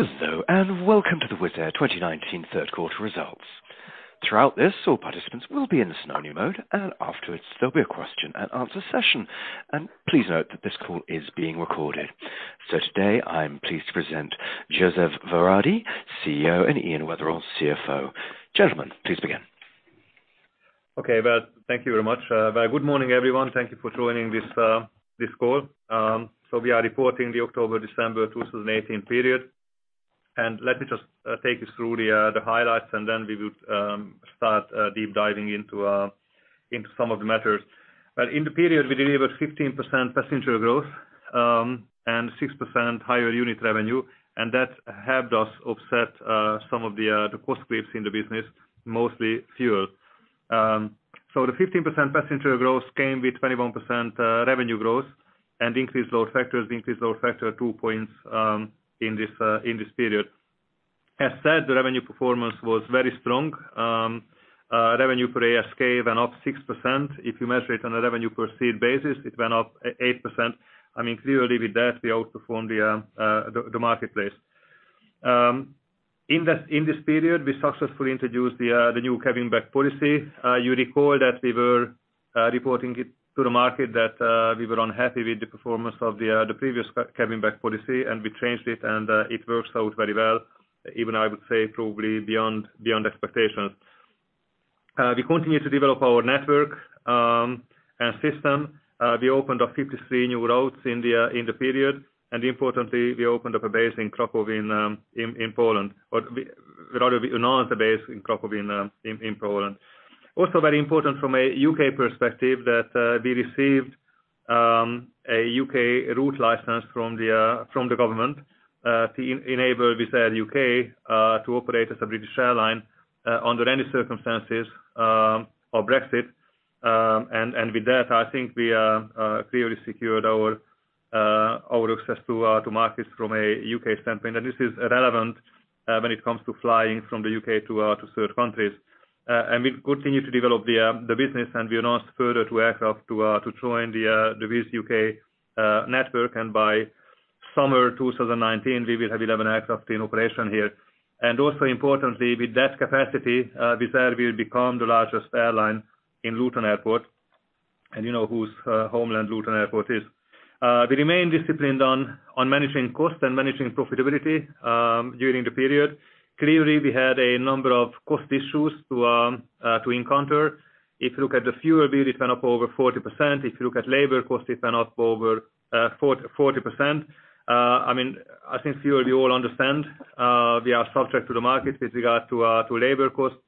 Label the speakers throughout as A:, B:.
A: Hello, welcome to the Wizz Air 2019 third quarter results. Throughout this, all participants will be in listen-only mode, afterwards there will be a question and answer session. Please note that this call is being recorded. Today I am pleased to present József Váradi, CEO, and Iain Wetherall, CFO. Gentlemen, please begin.
B: Okay. Well, thank you very much. Very good morning, everyone. Thank you for joining this call. We are reporting the October-December 2018 period. Let me just take you through the highlights, then we will start deep diving into some of the matters. In the period, we delivered 15% passenger growth and 6% higher unit revenue, and that helped us offset some of the cost creeps in the business, mostly fuel. The 15% passenger growth came with 21% revenue growth and increased load factors, increased load factor two points in this period. As said, the revenue performance was very strong. Revenue per ASK went up 6%. If you measure it on a revenue per seat basis, it went up 8%. Clearly with that, we outperformed the marketplace. In this period, we successfully introduced the new cabin bag policy. You recall that we were reporting it to the market that we were unhappy with the performance of the previous cabin bag policy, we changed it works out very well. Even I would say probably beyond expectations. We continue to develop our network and system. We opened up 53 new routes in the period, importantly, we opened up a base in Krakow in Poland, or rather we announced the base in Krakow in Poland. Also very important from a U.K. perspective that we received a U.K. route license from the government to enable Wizz Air U.K. to operate as a British airline under any circumstances of Brexit. With that, I think we clearly secured our access to markets from a U.K. standpoint. This is relevant when it comes to flying from the U.K. to third countries. We continue to develop the business, we announced further two aircraft to join the Wizz U.K. network. By summer 2019 we will have 11 aircraft in operation here. Also importantly, with that capacity, Wizz Air will become the largest airline in Luton Airport, and you know whose homeland Luton Airport is. We remain disciplined on managing costs and managing profitability during the period. Clearly, we had a number of cost issues to encounter. If you look at the fuel bill, it went up over 40%. If you look at labor costs, it went up over 40%. I think fuel you all understand, we are subject to the market with regard to labor costs.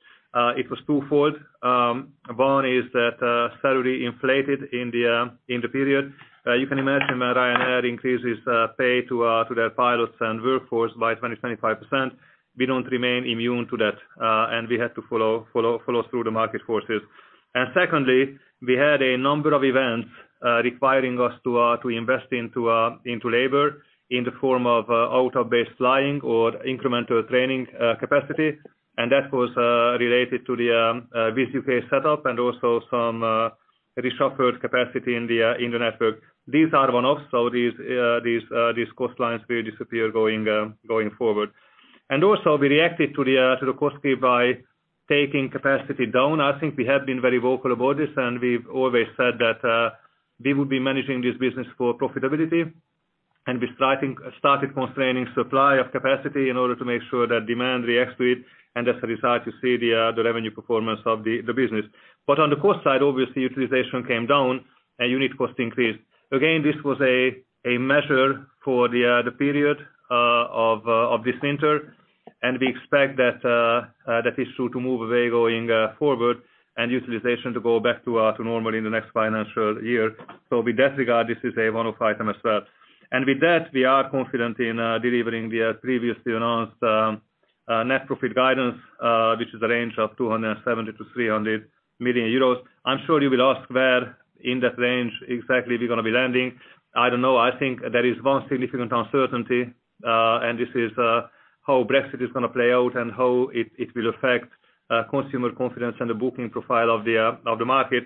B: It was twofold. One is that salary inflated in the period. You can imagine that Ryanair increases pay to their pilots and workforce by 20%-25%. We do not remain immune to that. We had to follow through the market forces. Secondly, we had a number of events requiring us to invest into labor in the form of out of base flying or incremental training capacity, and that was related to the Wizz UK setup and also some reshuffled capacity in the network. These are one-offs. These cost lines will disappear going forward. Also we reacted to the cost creep by taking capacity down. I think we have been very vocal about this, and we've always said that we would be managing this business for profitability. We started constraining supply of capacity in order to make sure that demand reacts to it, and as a result, you see the revenue performance of the business. On the cost side, obviously, utilization came down and unit cost increased. Again, this was a measure for the period of this winter, and we expect that issue to move away going forward and utilization to go back to normal in the next financial year. With that regard, this is a one-off item as well. With that, we are confident in delivering the previously announced net profit guidance, which is a range of 270 million-300 million euros. I'm sure you will ask where in that range exactly we're going to be landing. I don't know. I think there is one significant uncertainty, and this is how Brexit is going to play out and how it will affect consumer confidence and the booking profile of the market.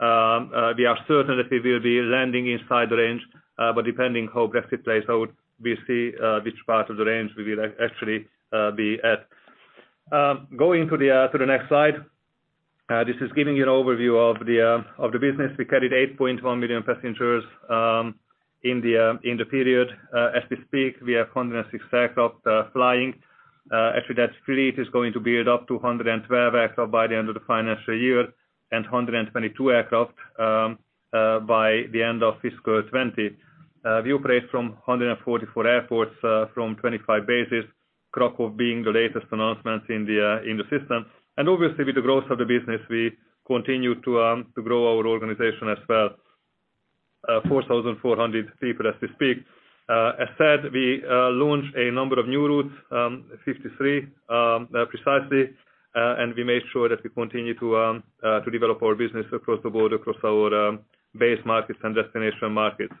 B: We are certain that we will be landing inside the range. Depending how Brexit plays out, we see which part of the range we will actually be at. Going to the next slide. This is giving you an overview of the business. We carried 8.1 million passengers in the period. As we speak, we have 106 aircraft flying. Actually, that fleet is going to build up to 112 aircraft by the end of the financial year and 122 aircraft by the end of fiscal 2020. We operate from 144 airports from 25 bases, Krakow being the latest announcement in the system. Obviously with the growth of the business, we continue to grow our organization as well. 4,400 people as we speak. As said, we launched a number of new routes, 53 precisely. We made sure that we continue to develop our business across the board, across our base markets and destination markets.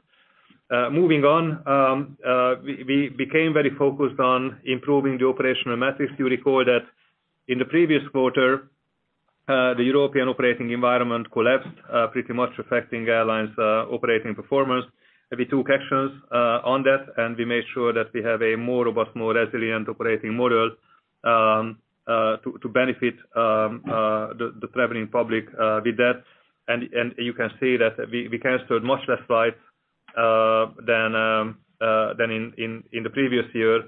B: Moving on, we became very focused on improving the operational metrics. You recall that in the previous quarter, the European operating environment collapsed pretty much affecting airlines' operating performance. We took actions on that, and we made sure that we have a more robust, more resilient operating model to benefit the traveling public with that. You can see that we canceled much less flights than in the previous year,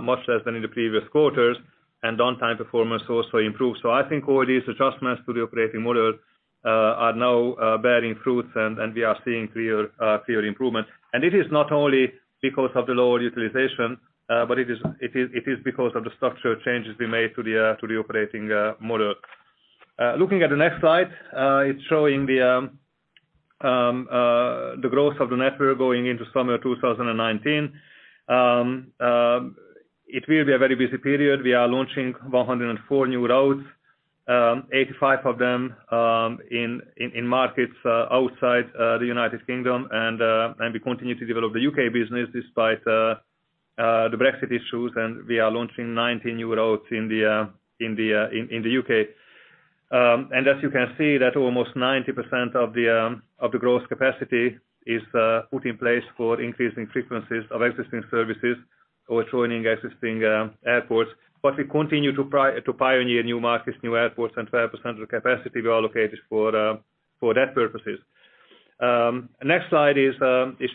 B: much less than in the previous quarters, and on-time performance also improved. I think all these adjustments to the operating model are now bearing fruits, and we are seeing clear improvement. It is not only because of the lower utilization, but it is because of the structural changes we made to the operating model. Looking at the next slide, it's showing the growth of the network going into summer 2019. It will be a very busy period. We are launching 104 new routes, 85 of them in markets outside the U.K. We continue to develop the U.K. business despite the Brexit issues, we are launching 19 new routes in the U.K. As you can see that almost 90% of the growth capacity is put in place for increasing frequencies of existing services or joining existing airports. We continue to pioneer new markets, new airports, and 12% of the capacity we allocated for that purposes. Next slide is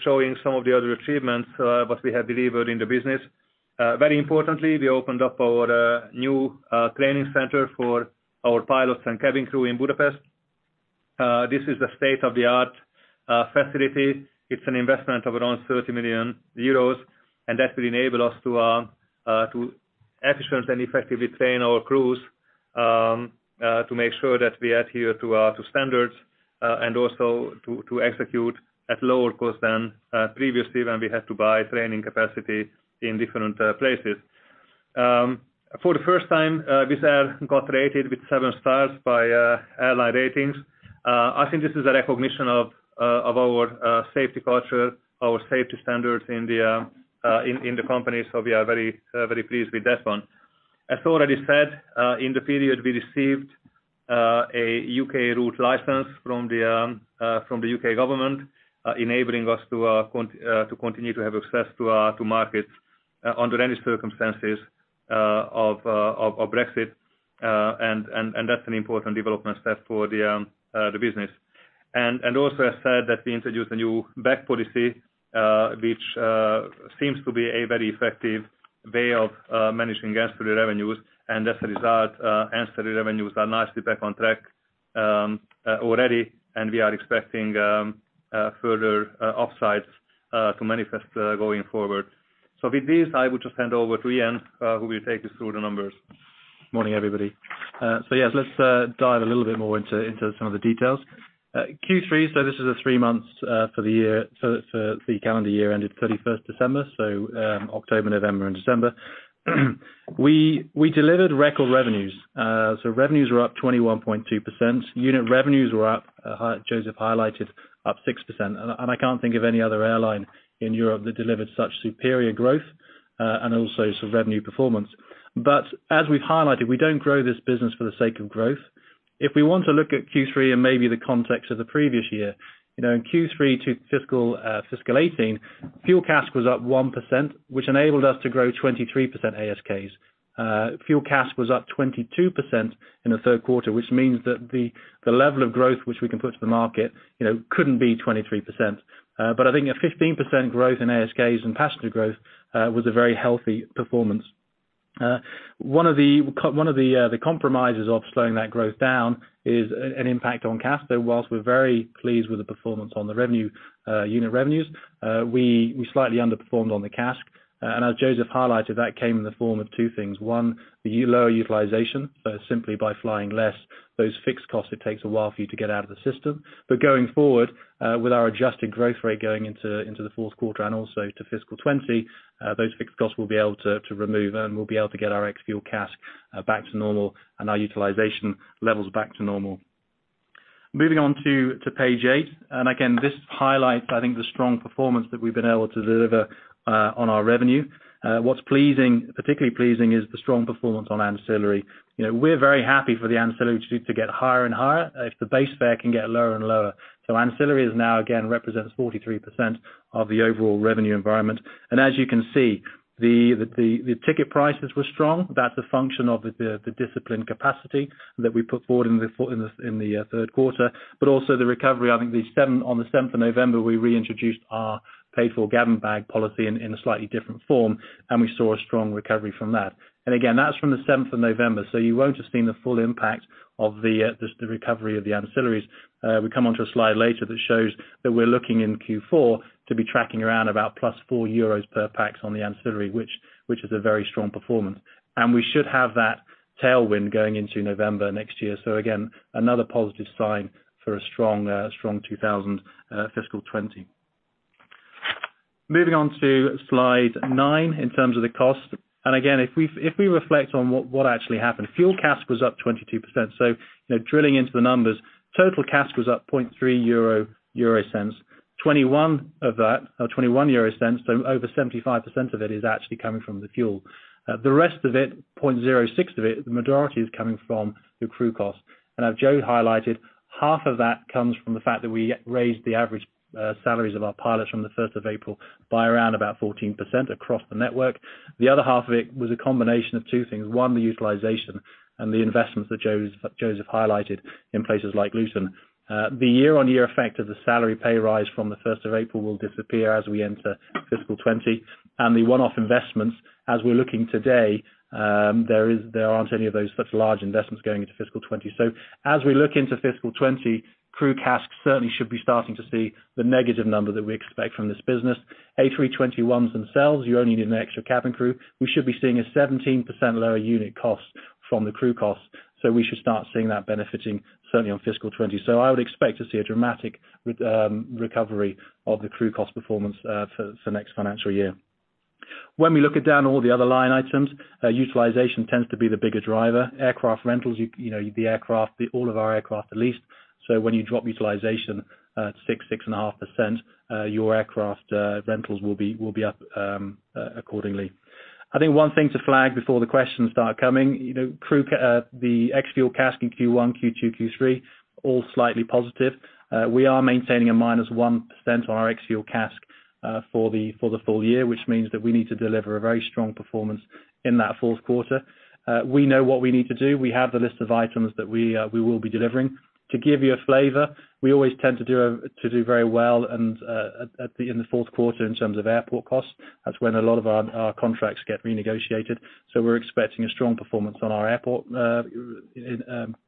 B: showing some of the other achievements, what we have delivered in the business. Very importantly, we opened up our new training center for our pilots and cabin crew in Budapest. This is a state-of-the-art facility. It's an investment of around 30 million euros, that will enable us to efficient and effectively train our crews, to make sure that we adhere to standards, also to execute at lower cost than previously when we had to buy training capacity in different places. For the first time, Wizz Air got rated with seven stars by AirlineRatings. I think this is a recognition of our safety culture, our safety standards in the company, so we are very pleased with that one. As already said, in the period we received a U.K. route license from the U.K. government, enabling us to continue to have access to markets under any circumstances of Brexit. That's an important development step for the business. Also, I said that we introduced a new bag policy, which seems to be a very effective way of managing ancillary revenues. As a result, ancillary revenues are nicely back on track already, we are expecting further upsides to manifest going forward. With this, I will just hand over to Iain, who will take us through the numbers.
C: Morning, everybody. Yes, let's dive a little bit more into some of the details. Q3, this is a three months for the calendar year ended 31st December. October, November, and December. We delivered record revenues. Revenues were up 21.2%. Unit revenues were up, József highlighted, up 6%. I can't think of any other airline in Europe that delivered such superior growth, also some revenue performance. As we've highlighted, we don't grow this business for the sake of growth. If we want to look at Q3 and maybe the context of the previous year. In Q3 to FY 2018, fuel CASK was up 1%, which enabled us to grow 23% ASKs. Fuel CASK was up 22% in the third quarter, which means that the level of growth which we can put to the market couldn't be 23%. I think a 15% growth in ASKs and passenger growth was a very healthy performance. One of the compromises of slowing that growth down is an impact on CASK. Whilst we're very pleased with the performance on the unit revenues, we slightly underperformed on the CASK. As József highlighted, that came in the form of two things. One, the lower utilization. Simply by flying less, those fixed costs, it takes a while for you to get out of the system. Going forward, with our adjusted growth rate going into the fourth quarter and also to fiscal 2020, those fixed costs we'll be able to remove, and we'll be able to get our ex-fuel CASK back to normal and our utilization levels back to normal. Moving on to page eight, again, this highlights I think the strong performance that we've been able to deliver on our revenue. What's particularly pleasing is the strong performance on ancillary. We're very happy for the ancillary to get higher and higher if the base fare can get lower and lower. Ancillary now again represents 43% of the overall revenue environment. As you can see, the ticket prices were strong. That's a function of the discipline capacity that we put forward in the third quarter. Also the recovery, I think on the 7th of November, we reintroduced our paid-for cabin bag policy in a slightly different form, and we saw a strong recovery from that. Again, that's from the 7th of November, so you won't have seen the full impact of the recovery of the ancillaries. We come onto a slide later that shows that we're looking in Q4 to be tracking around about plus 4 euros per pax on the ancillary, which is a very strong performance. We should have that tailwind going into November next year. Again, another positive sign for a strong fiscal 2020. Moving on to slide nine in terms of the cost. Again, if we reflect on what actually happened, fuel CASK was up 22%. Drilling into the numbers, total CASK was up 0.003 euro, 0.21 of that, or 0.21, over 75% of it is actually coming from the fuel. The rest of it, 0.06 of it, the majority is coming from the crew cost. As József highlighted, half of that comes from the fact that we raised the average salaries of our pilots from the 1st of April by around about 14% across the network. The other half of it was a combination of two things. One, the utilization and the investments that József highlighted in places like Luton. The year-on-year effect of the salary pay rise from the 1st of April will disappear as we enter fiscal 2020. The one-off investments, as we're looking today, there aren't any of those such large investments going into fiscal 2020. As we look into fiscal 2020, crew CASK certainly should be starting to see the negative number that we expect from this business. A321s themselves, you only need an extra cabin crew. We should be seeing a 17% lower unit cost from the crew cost. We should start seeing that benefiting certainly on fiscal 2020. I would expect to see a dramatic recovery of the crew cost performance for next financial year. When we look down all the other line items, utilization tends to be the bigger driver. Aircraft rentals, all of our aircraft are leased. When you drop utilization at 6.5%, your aircraft rentals will be up accordingly. I think one thing to flag before the questions start coming. The ex-fuel CASK in Q1, Q2, Q3, all slightly positive. We are maintaining a minus 1% on our ex-fuel CASK for the full year, which means that we need to deliver a very strong performance in that fourth quarter. We know what we need to do. We have the list of items that we will be delivering. To give you a flavor, we always tend to do very well in the fourth quarter in terms of airport costs. That's when a lot of our contracts get renegotiated. We're expecting a strong performance on our airport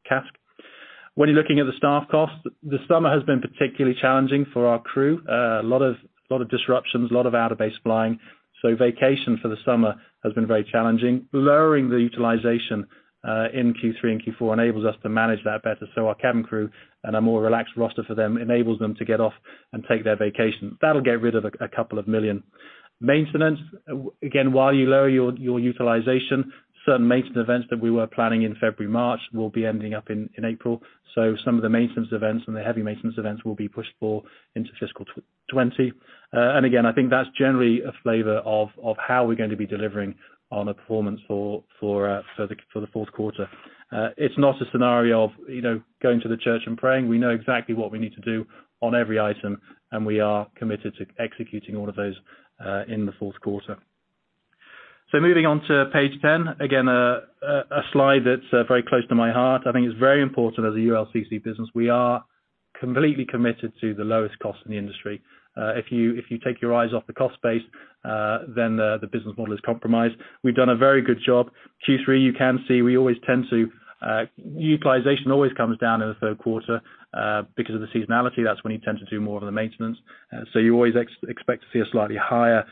C: CASK. When you're looking at the staff costs, this summer has been particularly challenging for our crew. A lot of disruptions, a lot of out of base flying. Vacation for the summer has been very challenging. Lowering the utilization in Q3 and Q4 enables us to manage that better. Our cabin crew and a more relaxed roster for them enables them to get off and take their vacation. That will get rid of a couple of million. Maintenance, again, while you lower your utilization, certain maintenance events that we were planning in February, March will be ending up in April. Some of the maintenance events and the heavy maintenance events will be pushed into fiscal 2020. Again, I think that's generally a flavor of how we're going to be delivering on a performance for the fourth quarter. It's not a scenario of going to the church and praying. We know exactly what we need to do on every item, and we are committed to executing all of those in the fourth quarter. Moving on to page 10. Again, a slide that's very close to my heart. I think it's very important as a ULCC business, we are completely committed to the lowest cost in the industry. If you take your eyes off the cost base, then the business model is compromised. We've done a very good job. Q3, you can see utilization always comes down in the third quarter because of the seasonality. That's when you tend to do more of the maintenance. You always expect to see a slightly higher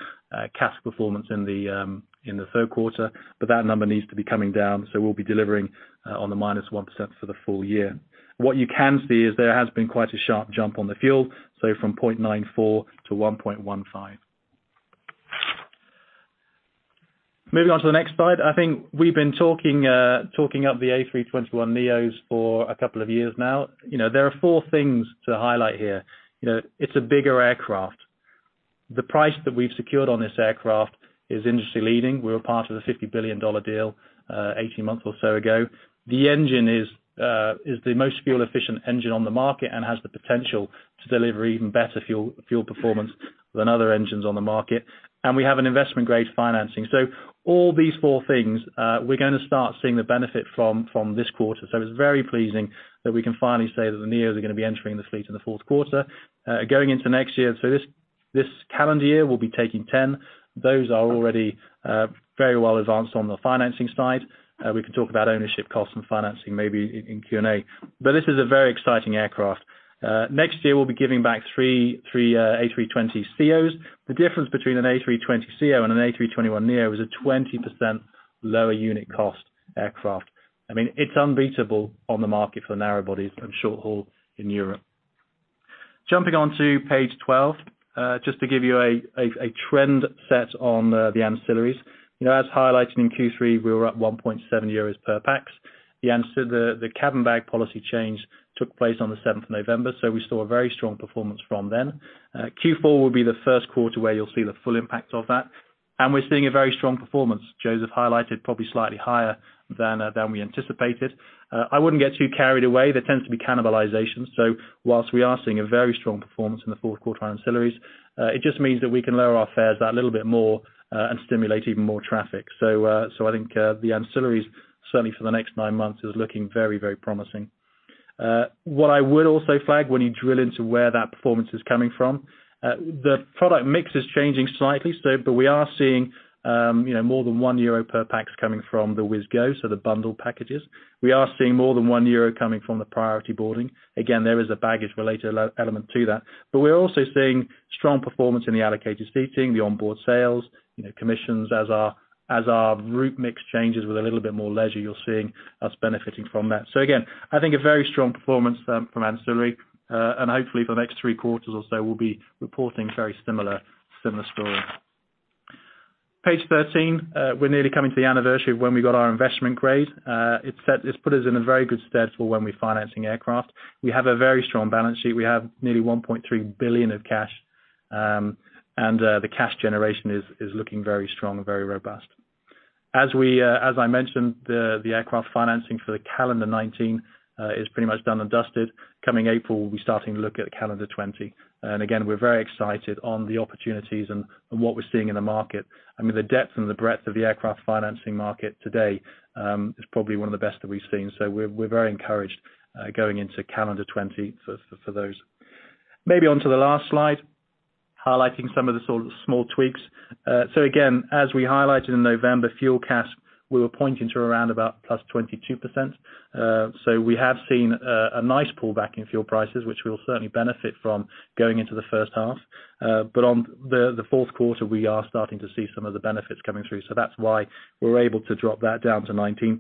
C: CASK performance in the third quarter, but that number needs to be coming down. We'll be delivering on the minus 1% for the full year. What you can see is there has been quite a sharp jump on the fuel, from $0.94 to $1.15. Moving on to the next slide. I think we've been talking up the A321neos for a couple of years now. There are four things to highlight here. It's a bigger aircraft. The price that we've secured on this aircraft is industry leading. We were part of the $50 billion deal 18 months or so ago. The engine is the most fuel-efficient engine on the market and has the potential to deliver even better fuel performance than other engines on the market. We have an investment-grade financing. All these four things, we're going to start seeing the benefit from this quarter. It's very pleasing that we can finally say that the neos are going to be entering the fleet in the fourth quarter. Going into next year, this calendar year, we'll be taking 10. Those are already very well advanced on the financing side. We can talk about ownership costs and financing maybe in Q&A. This is a very exciting aircraft. Next year we'll be giving back three A320ceos. The difference between an A320ceo and an A321neo is a 20% lower unit cost aircraft. It's unbeatable on the market for narrow bodies and short haul in Europe. Jumping onto page 12, just to give you a trend set on the ancillaries. As highlighted in Q3, we were up 1.70 euros per pax. The cabin bag policy change took place on the 7th of November. We saw a very strong performance from then. Q4 will be the first quarter where you'll see the full impact of that. We're seeing a very strong performance. József highlighted probably slightly higher than we anticipated. I wouldn't get too carried away. There tends to be cannibalization. Whilst we are seeing a very strong performance in the fourth quarter ancillaries, it just means that we can lower our fares that little bit more and stimulate even more traffic. I think the ancillaries, certainly for the next nine months, is looking very, very promising. What I would also flag when you drill into where that performance is coming from, the product mix is changing slightly. We are seeing more than 1 euro per pax coming from the WIZZ Go, so the bundle packages. We are seeing more than 1 euro coming from the priority boarding. Again, there is a baggage-related element to that. We're also seeing strong performance in the allocated seating, the onboard sales, commissions. As our route mix changes with a little bit more leisure, you're seeing us benefiting from that. Again, I think a very strong performance from ancillary. Hopefully for the next three quarters or so, we'll be reporting very similar story. Page 13. We're nearly coming to the anniversary of when we got our investment grade. It's put us in a very good stead for when we're financing aircraft. We have a very strong balance sheet. We have nearly 1.3 billion of cash. The cash generation is looking very strong and very robust. As I mentioned, the aircraft financing for calendar 2019 is pretty much done and dusted. Coming April, we'll be starting to look at calendar 2020. Again, we're very excited on the opportunities and what we're seeing in the market. The depth and the breadth of the aircraft financing market today is probably one of the best that we've seen. We're very encouraged going into calendar 2020 for those. Maybe onto the last slide, highlighting some of the sort of small tweaks. Again, as we highlighted in November, fuel CASK, we were pointing to around about +22%. We have seen a nice pullback in fuel prices, which we'll certainly benefit from going into the first half. On the fourth quarter, we are starting to see some of the benefits coming through. That's why we're able to drop that down to 19%.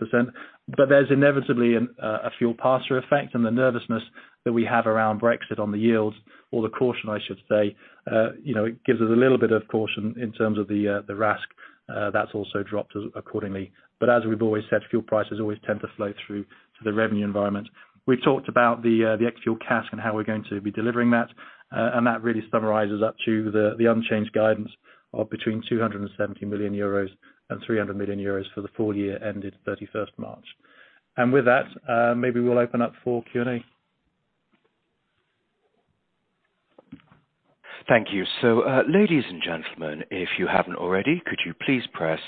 C: There's inevitably a fuel passer effect and the nervousness that we have around Brexit on the yields or the caution, I should say. It gives us a little bit of caution in terms of the RASK. That's also dropped accordingly. As we've always said, fuel prices always tend to flow through to the revenue environment. We've talked about the ex-fuel CASK and how we're going to be delivering that. That really summarizes up to the unchanged guidance of between 270 million euros and 300 million euros for the full year ended 31st March. With that, maybe we'll open up for Q&A.
A: Thank you. Ladies and gentlemen, if you haven't already, could you please press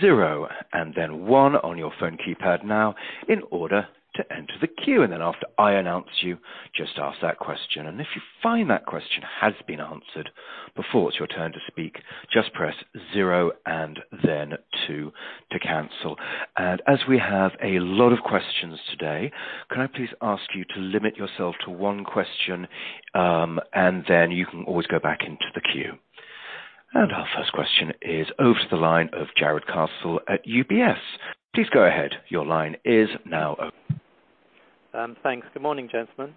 A: zero and then one on your phone keypad now in order to enter the queue. Then after I announce you, just ask that question. If you find that question has been answered before it's your turn to speak, just press zero and then two to cancel. As we have a lot of questions today, can I please ask you to limit yourself to one question, then you can always go back into the queue. Our first question is over to the line of Jarrod Castle at UBS. Please go ahead. Your line is now open.
D: Thanks. Good morning, gentlemen.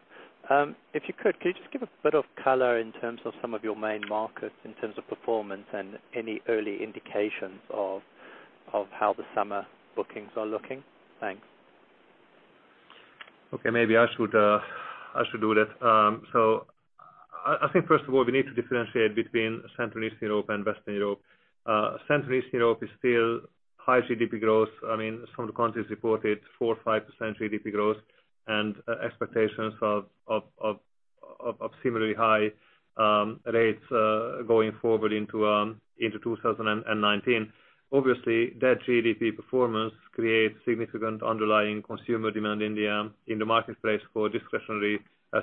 D: If you could, can you just give a bit of color in terms of some of your main markets in terms of performance and any early indications of how the summer bookings are looking? Thanks.
B: Okay. Maybe I should do that. I think, first of all, we need to differentiate between Central Eastern Europe and Western Europe. Central Eastern Europe is still high GDP growth. I mean, some of the countries reported 4%, 5% GDP growth and expectations of similarly high rates going forward into 2019. Obviously, that GDP performance creates significant underlying consumer demand in the marketplace for discretionary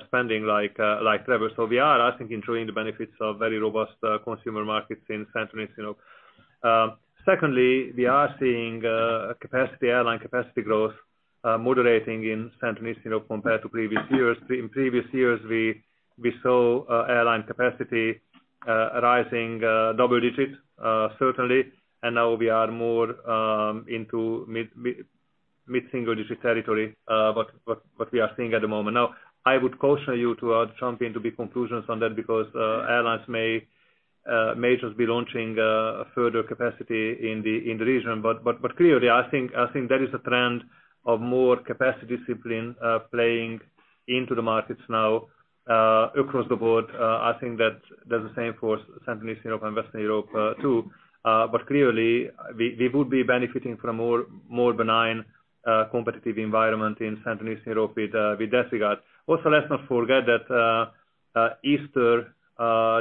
B: spending, like travel. We are, I think, enjoying the benefits of very robust consumer markets in Central Eastern Europe. Secondly, we are seeing airline capacity growth moderating in Central Eastern Europe compared to previous years. In previous years, we saw airline capacity rising double digits, certainly. Now we are more into mid-single digit territory. What we are seeing at the moment. Now, I would caution you to jump into conclusions on that because airlines may just be launching a further capacity in the region. Clearly, I think there is a trend of more capacity discipline playing into the markets now across the board. I think that's the same for Central Eastern Europe and Western Europe, too. Clearly, we would be benefiting from a more benign competitive environment in Central Eastern Europe with that regard. Also, let's not forget that Easter,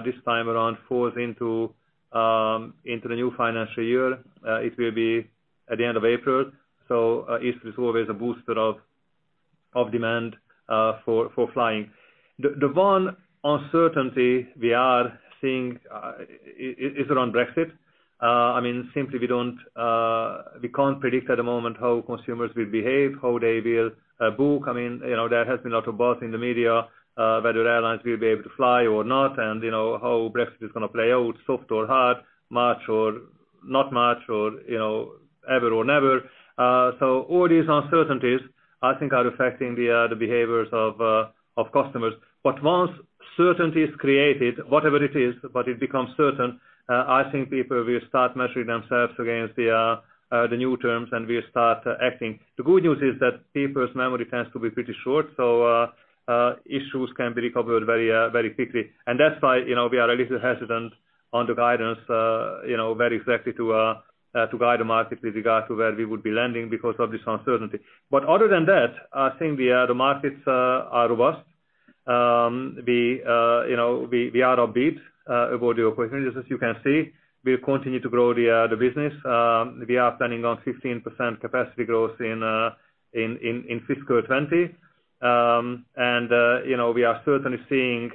B: this time around, falls into the new financial year. It will be at the end of April. Easter is always a booster of demand for flying. The one uncertainty we are seeing is around Brexit. I mean, simply, we can't predict at the moment how consumers will behave, how they will book. I mean, there has been a lot of buzz in the media whether airlines will be able to fly or not, and how Brexit is going to play out, soft or hard, March or not March, or ever or never. All these uncertainties, I think, are affecting the behaviors of customers. Once certainty is created, whatever it is, but it becomes certain, I think people will start measuring themselves against the new terms, and we'll start acting. The good news is that people's memory tends to be pretty short, so issues can be recovered very quickly. That's why we are a little hesitant on the guidance, very effective to guide the market with regard to where we would be landing because of this uncertainty. Other than that, I think the markets are robust. We are upbeat about the opportunities, as you can see. We continue to grow the business. We are planning on 15% capacity growth in fiscal 2020. We are certainly seeing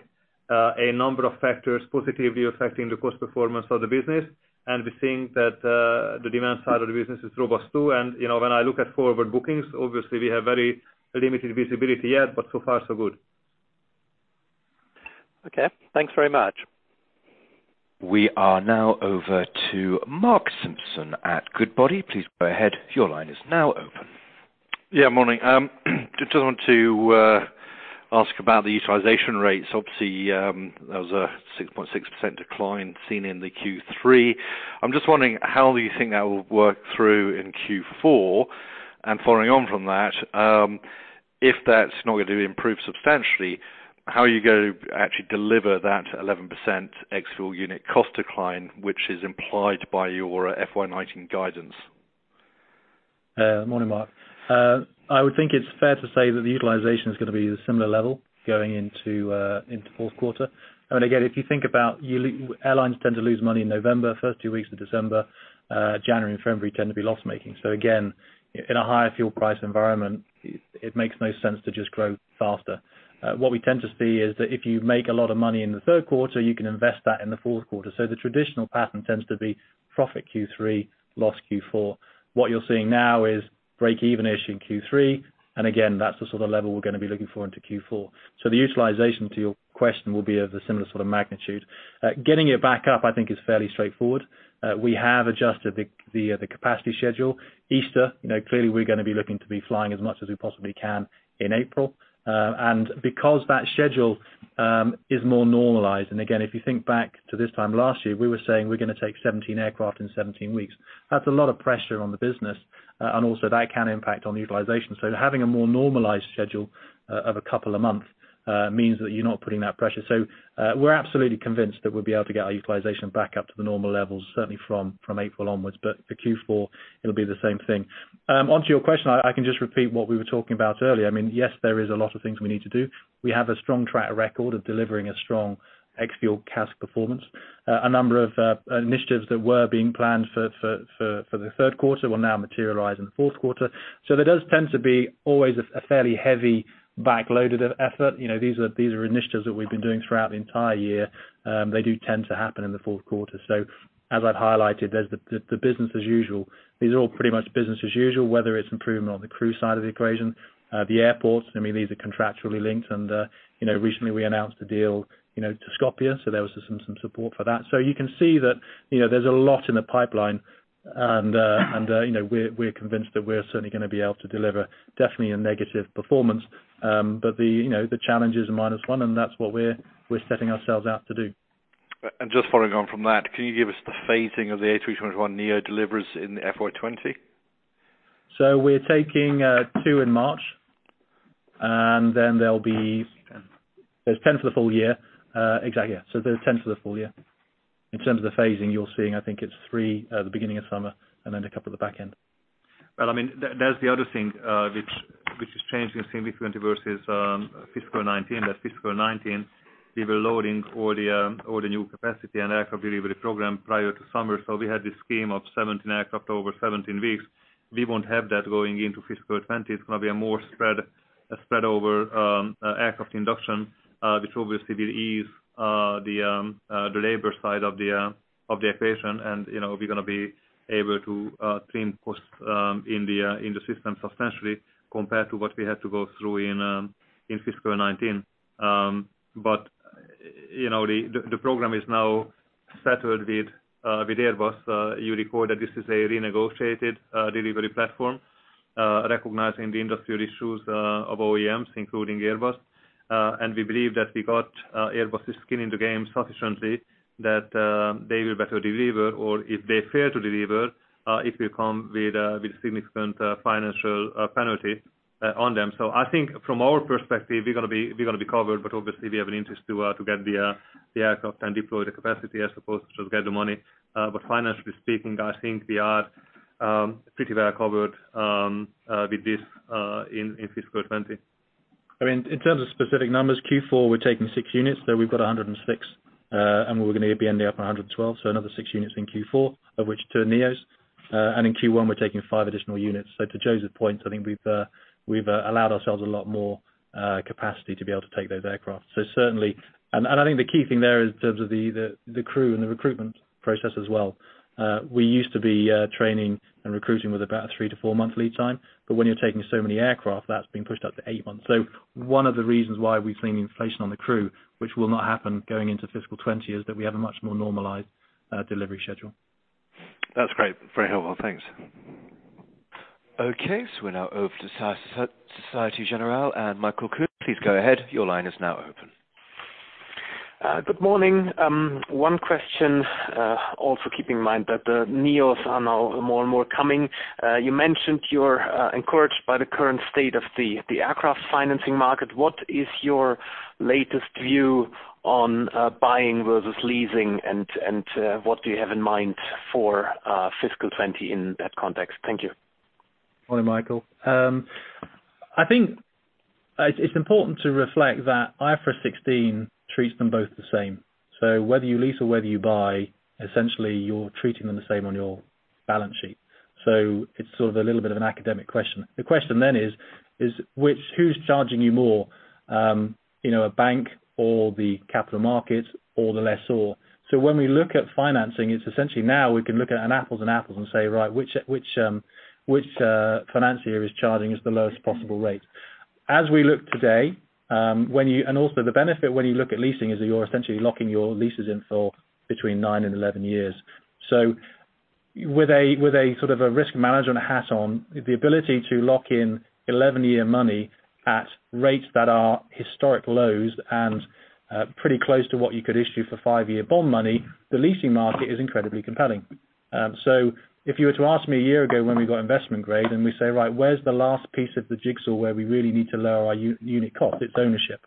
B: a number of factors positively affecting the cost performance of the business. We're seeing that the demand side of the business is robust, too. When I look at forward bookings, obviously we have very limited visibility yet, but so far so good.
D: Okay. Thanks very much.
A: We are now over to Mark Simpson at Goodbody. Please go ahead. Your line is now open.
E: Yeah, morning. Just wanted to ask about the utilization rates. Obviously, there was a 6.6% decline seen in the Q3. I'm just wondering how you think that will work through in Q4, and following on from that, if that's not going to improve substantially, how are you going to actually deliver that 11% ex-fuel unit cost decline, which is implied by your FY 2019 guidance?
C: Morning, Mark. I would think it's fair to say that the utilization is going to be at a similar level going into fourth quarter. Again, if you think about it, airlines tend to lose money in November, first two weeks of December. January and February tend to be loss-making. Again, in a higher fuel price environment, it makes no sense to just grow faster. What we tend to see is that if you make a lot of money in the third quarter, you can invest that in the fourth quarter. The traditional pattern tends to be profit Q3, loss Q4. What you're seeing now is break-even-ish in Q3, and again, that's the sort of level we're going to be looking for into Q4. The utilization to your question will be of a similar sort of magnitude. Getting it back up, I think is fairly straightforward. We have adjusted the capacity schedule. Easter, clearly we're going to be looking to be flying as much as we possibly can in April. Because that schedule is more normalized, and again, if you think back to this time last year, we were saying we're going to take 17 aircraft in 17 weeks. That's a lot of pressure on the business, and also that can impact on utilization. Having a more normalized schedule of a couple a month means that you're not putting that pressure. We're absolutely convinced that we'll be able to get our utilization back up to the normal levels, certainly from April onwards. For Q4, it'll be the same thing. Onto your question, I can just repeat what we were talking about earlier. Yes, there is a lot of things we need to do. We have a strong track record of delivering a strong ex-fuel CASK performance. A number of initiatives that were being planned for the third quarter will now materialize in the fourth quarter. There does tend to be always a fairly heavy backloaded effort. These are initiatives that we've been doing throughout the entire year. They do tend to happen in the fourth quarter. As I've highlighted, the business as usual. These are all pretty much business as usual, whether it's improvement on the crew side of the equation, the airports. These are contractually linked and recently we announced a deal to Skopje, so there was some support for that. You can see that there's a lot in the pipeline, and we're convinced that we're certainly going to be able to deliver definitely a negative performance. The challenge is minus one, and that's what we're setting ourselves out to do.
E: Just following on from that, can you give us the phasing of the A321neo deliveries in FY 2020?
C: We're taking two in March, and then there's 10 for the full year. Exactly, yeah. There's 10 for the full year. In terms of the phasing, you're seeing, I think it's three at the beginning of summer and then a couple at the back end.
B: Well, that's the other thing which is changing significantly versus fiscal 2019, that fiscal 2019, we were loading all the new capacity and aircraft delivery program prior to summer. We had this scheme of 17 aircraft over 17 weeks. We won't have that going into fiscal 2020. It's going to be a more spread over aircraft induction, which obviously will ease the labor side of the equation, and we're going to be able to trim costs in the system substantially compared to what we had to go through in fiscal 2019. The program is now settled with Airbus. You recall that this is a renegotiated delivery platform, recognizing the industry issues of OEMs, including Airbus. We believe that we got Airbus' skin in the game sufficiently that they will better deliver, or if they fail to deliver, it will come with a significant financial penalty on them. I think from our perspective, we're going to be covered, but obviously we have an interest to get the aircraft and deploy the capacity as opposed to just get the money. Financially speaking, I think we are pretty well covered with this in fiscal 2020.
C: In terms of specific numbers, Q4, we're taking six units. We've got 106, and we're going to be ending up 112, another six units in Q4, of which two are neos. In Q1, we're taking five additional units. To József's point, I think we've allowed ourselves a lot more capacity to be able to take those aircraft. Certainly, and I think the key thing there in terms of the crew and the recruitment process as well. We used to be training and recruiting with about a three to four-month lead time. But when you're taking so many aircraft, that's been pushed up to eight months. One of the reasons why we've seen inflation on the crew, which will not happen going into fiscal 2020, is that we have a much more normalized delivery schedule.
E: That's great. Very helpful. Thanks.
A: Okay, now over to Société Générale and Michael Kuhn. Please go ahead. Your line is now open.we're
F: Good morning. One question, also keeping in mind that the neos are now more and more coming. You mentioned you're encouraged by the current state of the aircraft financing market. What is your latest view on buying versus leasing, and what do you have in mind for fiscal 2020 in that context? Thank you.
C: Morning, Michael. I think it's important to reflect that IFRS 16 treats them both the same. Whether you lease or whether you buy, essentially you're treating them the same on your balance sheet. It's sort of a little bit of an academic question. The question then is who's charging you more? A bank or the capital markets or the lessor. When we look at financing, it's essentially now we can look at apples and apples and say, right, which financier is charging us the lowest possible rate? As we look today, and also the benefit when you look at leasing is that you're essentially locking your leases in for between nine and 11 years. With a risk management hat on, the ability to lock in 11-year money at rates that are historic lows and pretty close to what you could issue for five-year bond money, the leasing market is incredibly compelling. If you were to ask me a year ago, when we got investment grade, and we say, right, where's the last piece of the jigsaw where we really need to lower our unit cost? It's ownership.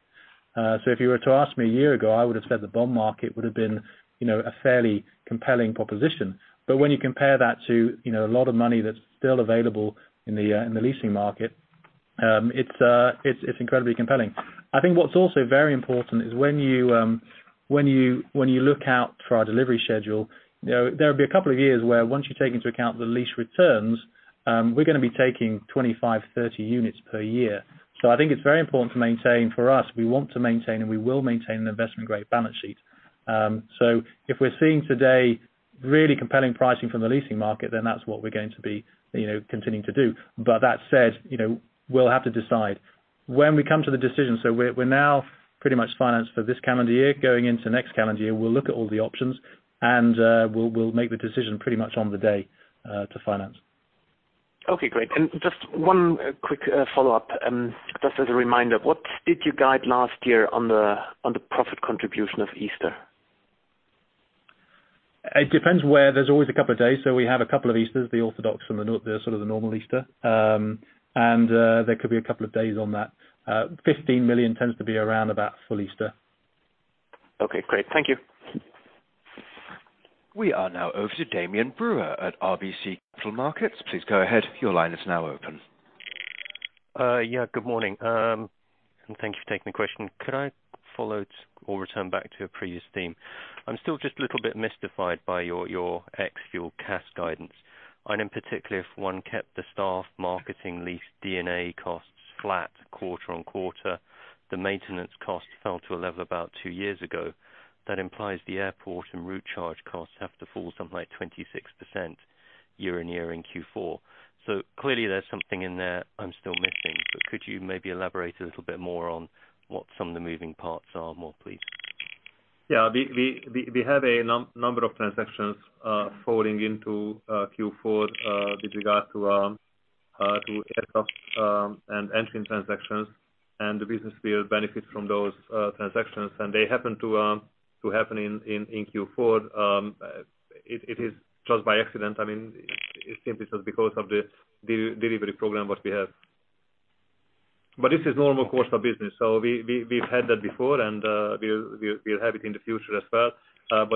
C: If you were to ask me a year ago, I would've said the bond market would've been a fairly compelling proposition. When you compare that to a lot of money that's still available in the leasing market, it's incredibly compelling. I think what's also very important is when you look out for our delivery schedule, there'll be a couple of years where once you take into account the lease returns, we're going to be taking 25, 30 units per year. I think it's very important to maintain for us, we want to maintain and we will maintain an investment-grade balance sheet. If we're seeing today really compelling pricing from the leasing market, that's what we're going to be continuing to do. That said, we'll have to decide when we come to the decision. We're now pretty much financed for this calendar year. Going into next calendar year, we'll look at all the options and we'll make the decision pretty much on the day to finance.
F: Okay, great. Just one quick follow-up. Just as a reminder, what did you guide last year on the profit contribution of Easter?
C: It depends where. There's always a couple of days. We have a couple of Easters, the Orthodox and the sort of the normal Easter. There could be a couple of days on that. 15 million tends to be around about full Easter.
F: Okay, great. Thank you.
A: We are now over to Damian Brewer at RBC Capital Markets. Please go ahead. Your line is now open.
G: Yeah, good morning. Thank you for taking the question. Could I follow or return back to a previous theme? I'm still just a little bit mystified by your ex-fuel CASK guidance. In particular, if one kept the staff marketing lease D&A costs flat quarter on quarter, the maintenance cost fell to a level about two years ago. That implies the airport and route charge costs have to fall something like 26% year-on-year in Q4. Clearly there's something in there I'm still missing, but could you maybe elaborate a little bit more on what some of the moving parts are more, please?
B: Yeah. We have a number of transactions falling into Q4 with regard to aircraft and engine transactions, the business will benefit from those transactions. They happen to happen in Q4. It is just by accident. I mean, it simply is because of the delivery program that we have. This is normal course of business, so we've had that before, and we'll have it in the future as well.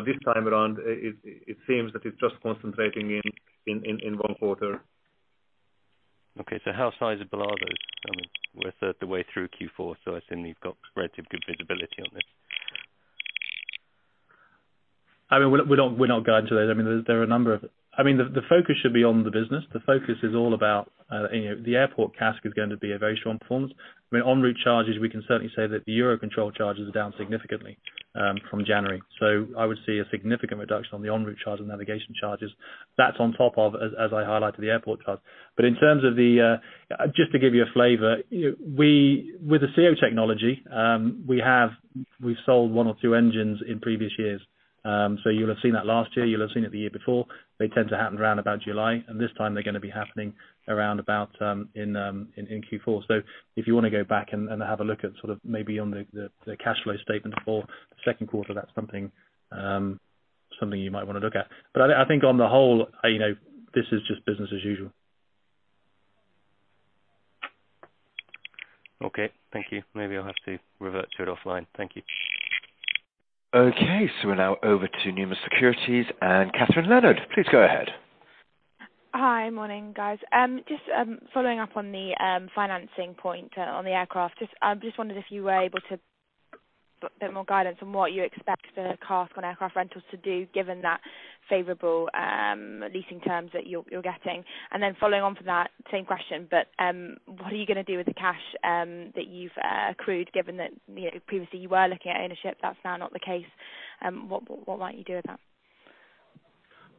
B: This time around, it seems that it's just concentrating in one quarter.
G: Okay, how sizable are those? I mean, we're a third of the way through Q4, I assume you've got relatively good visibility on this.
C: We're not guiding to those. The focus should be on the business. The focus is all about the airport CASK is going to be a very strong performance. On route charges, we can certainly say that the Eurocontrol charges are down significantly from January. I would see a significant reduction on the enroute charge and navigation charges. That's on top of, as I highlighted, the airport charge. Just to give you a flavor, with the CEO technology, we've sold one or two engines in previous years. You'll have seen that last year. You'll have seen it the year before. They tend to happen around about July, and this time they're going to be happening around about in Q4. Okay, if you want to go back and have a look at sort of maybe on the cash flow statement for the second quarter, that's something you might want to look at. I think on the whole, this is just business as usual.
G: Okay, thank you. Maybe I'll have to revert to it offline. Thank you.
A: Okay, we're now over to Numis Securities and Kathryn Leonard. Please go ahead.
H: Morning, guys. Following up on the financing point on the aircraft. Wondered if you were able to put a bit more guidance on what you expect the CASK on aircraft rentals to do, given that favorable leasing terms that you're getting. Following on from that same question, what are you going to do with the cash that you've accrued, given that previously you were looking at ownership? That's now not the case. What might you do with that?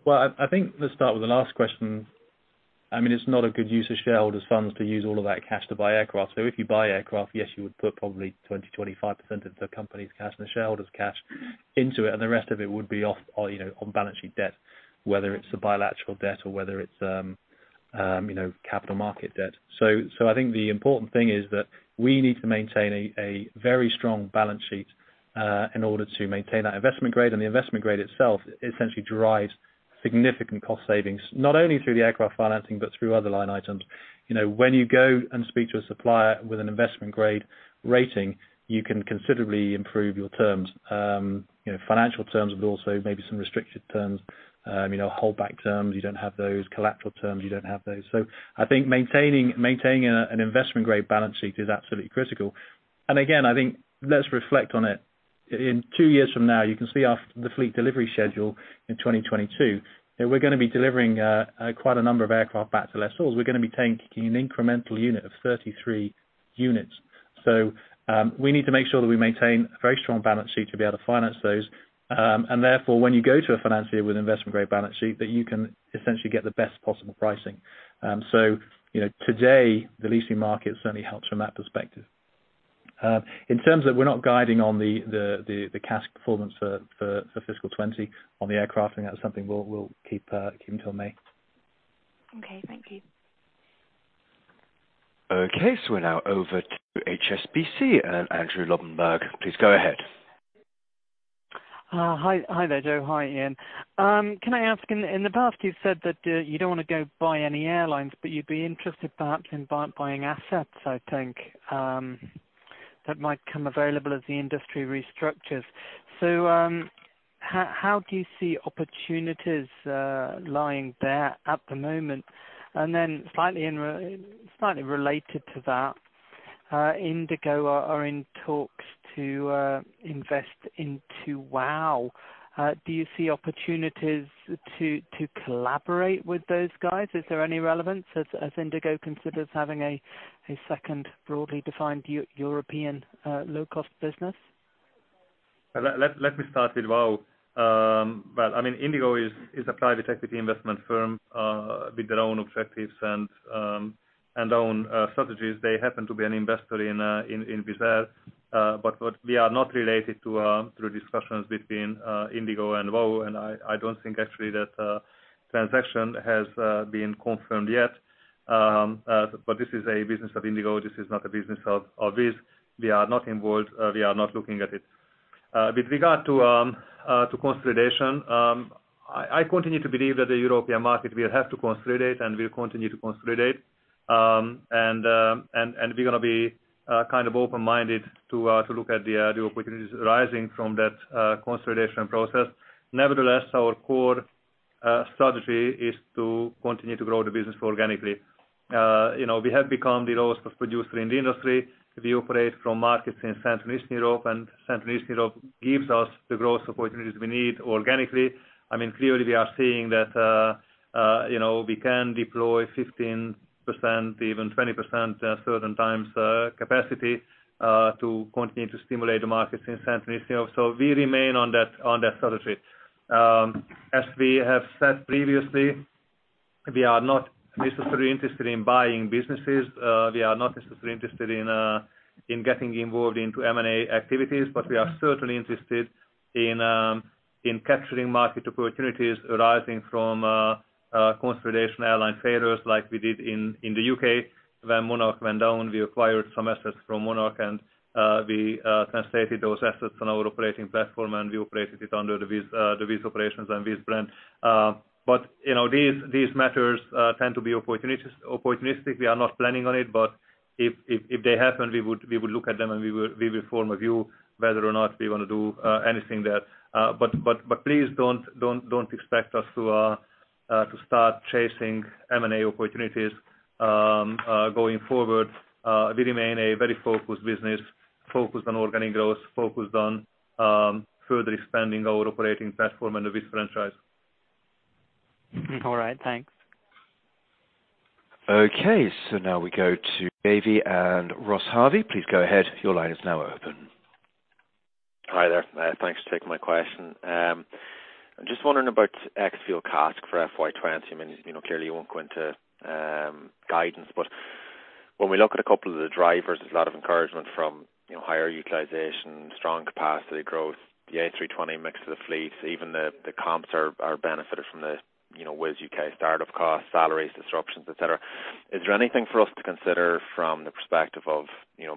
C: Well, I think let's start with the last question. It's not a good use of shareholders' funds to use all of that cash to buy aircraft. If you buy aircraft, yes, you would put probably 20%-25% of the company's cash and the shareholders' cash into it, and the rest of it would be off on balance sheet debt, whether it's the bilateral debt or whether it's capital market debt. I think the important thing is that we need to maintain a very strong balance sheet in order to maintain that investment grade. The investment grade itself essentially derives significant cost savings, not only through the aircraft financing but through other line items. When you go and speak to a supplier with an investment-grade rating, you can considerably improve your terms. Financial terms, also maybe some restricted terms. Holdback terms, you don't have those. Collateral terms, you don't have those. I think maintaining an investment-grade balance sheet is absolutely critical. Again, I think let's reflect on it. In two years from now, you can see the fleet delivery schedule in 2022, that we're going to be delivering quite a number of aircraft back to lessors. We're going to be taking an incremental unit of 33 units. We need to make sure that we maintain a very strong balance sheet to be able to finance those. Therefore, when you go to a financier with an investment-grade balance sheet, that you can essentially get the best possible pricing. Today, the leasing market certainly helps from that perspective. In terms of, we're not guiding on the CASK performance for fiscal 2020 on the aircrafting. That's something we'll keep until May.
H: Okay, thank you.
A: We're now over to HSBC, Andrew Lobbenberg, please go ahead.
I: Hi there, József. Hi, Iain. Can I ask, in the past you've said that you don't want to go buy any airlines, but you'd be interested perhaps in buying assets, I think, that might come available as the industry restructures. How do you see opportunities lying there at the moment? Slightly related to that, Indigo are in talks to invest into WOW. Do you see opportunities to collaborate with those guys? Is there any relevance as Indigo considers having a second broadly defined European low-cost business?
B: Let me start with WOW. Well, Indigo is a private equity investment firm with their own objectives and own strategies. They happen to be an investor in Wizz Air. We are not related through discussions between Indigo and WOW, and I don't think actually that transaction has been confirmed yet. This is a business of Indigo. This is not a business of Wizz. We are not involved. We are not looking at it. With regard to consolidation, I continue to believe that the European market will have to consolidate and will continue to consolidate. We're going to be open-minded to look at the opportunities arising from that consolidation process. Nevertheless, our core strategy is to continue to grow the business organically. We have become the lowest cost producer in the industry. We operate from markets in Central, Eastern Europe, and Central, Eastern Europe gives us the growth opportunities we need organically. Clearly, we are seeing that we can deploy 15%, even 20% certain times capacity, to continue to stimulate the markets in Central, Eastern Europe. We remain on that strategy. As we have said previously, we are not necessarily interested in buying businesses. We are not necessarily interested in getting involved into M&A activities, but we are certainly interested in capturing market opportunities arising from consolidation airline failures like we did in the U.K. when Monarch went down. We acquired some assets from Monarch, and we translated those assets on our operating platform, and we operated it under the Wizz operations and Wizz brand. These matters tend to be opportunistic. We are not planning on it. If they happen, we would look at them, and we will form a view whether or not we want to do anything there. Please don't expect us to start chasing M&A opportunities going forward. We remain a very focused business, focused on organic growth, focused on further expanding our operating platform and the Wizz franchise.
I: All right, thanks.
A: Now we go to Davy, and Ross Harvey, please go ahead. Your line is now open.
J: Hi there. Thanks for taking my question. I'm just wondering about ex-fuel CASK for FY 2020. Clearly, you won't go into guidance, but when we look at a couple of the drivers, there's a lot of encouragement from higher utilization, strong capacity growth, the A320 mix of the fleet, even the comps are benefited from the Wizz UK start-up costs, salaries, disruptions, et cetera. Is there anything for us to consider from the perspective of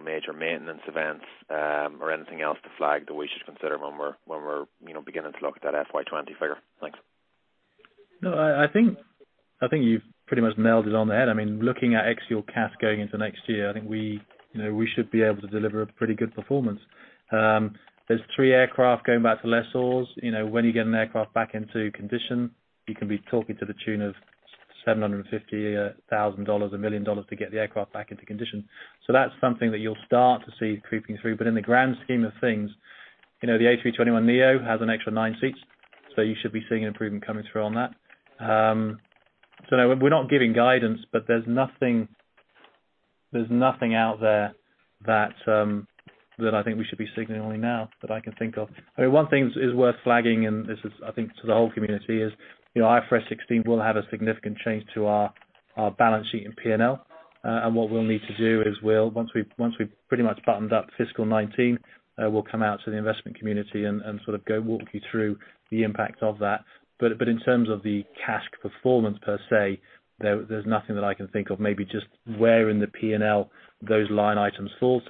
J: major maintenance events or anything else to flag that we should consider when we're beginning to look at that FY 2020 figure? Thanks.
C: No, I think you've pretty much nailed it on the head. Looking at ex-fuel CASK going into next year, I think we should be able to deliver a pretty good performance. There's three aircraft going back to lessors. When you get an aircraft back into condition, you can be talking to the tune of EUR 750,000, EUR 1 million to get the aircraft back into condition. That's something that you'll start to see creeping through. In the grand scheme of things, the A321neo has an extra nine seats, so you should be seeing an improvement coming through on that. No, we're not giving guidance, but there's nothing out there that I think we should be signaling now that I can think of. One thing is worth flagging, this is, I think, to the whole community is, IFRS 16 will have a significant change to our balance sheet in P&L. What we'll need to do is once we've pretty much buttoned up fiscal 2019, we'll come out to the investment community and sort of go walk you through the impact of that. In terms of the CASK performance per se, there's nothing that I can think of. Maybe just where in the P&L those line items fall.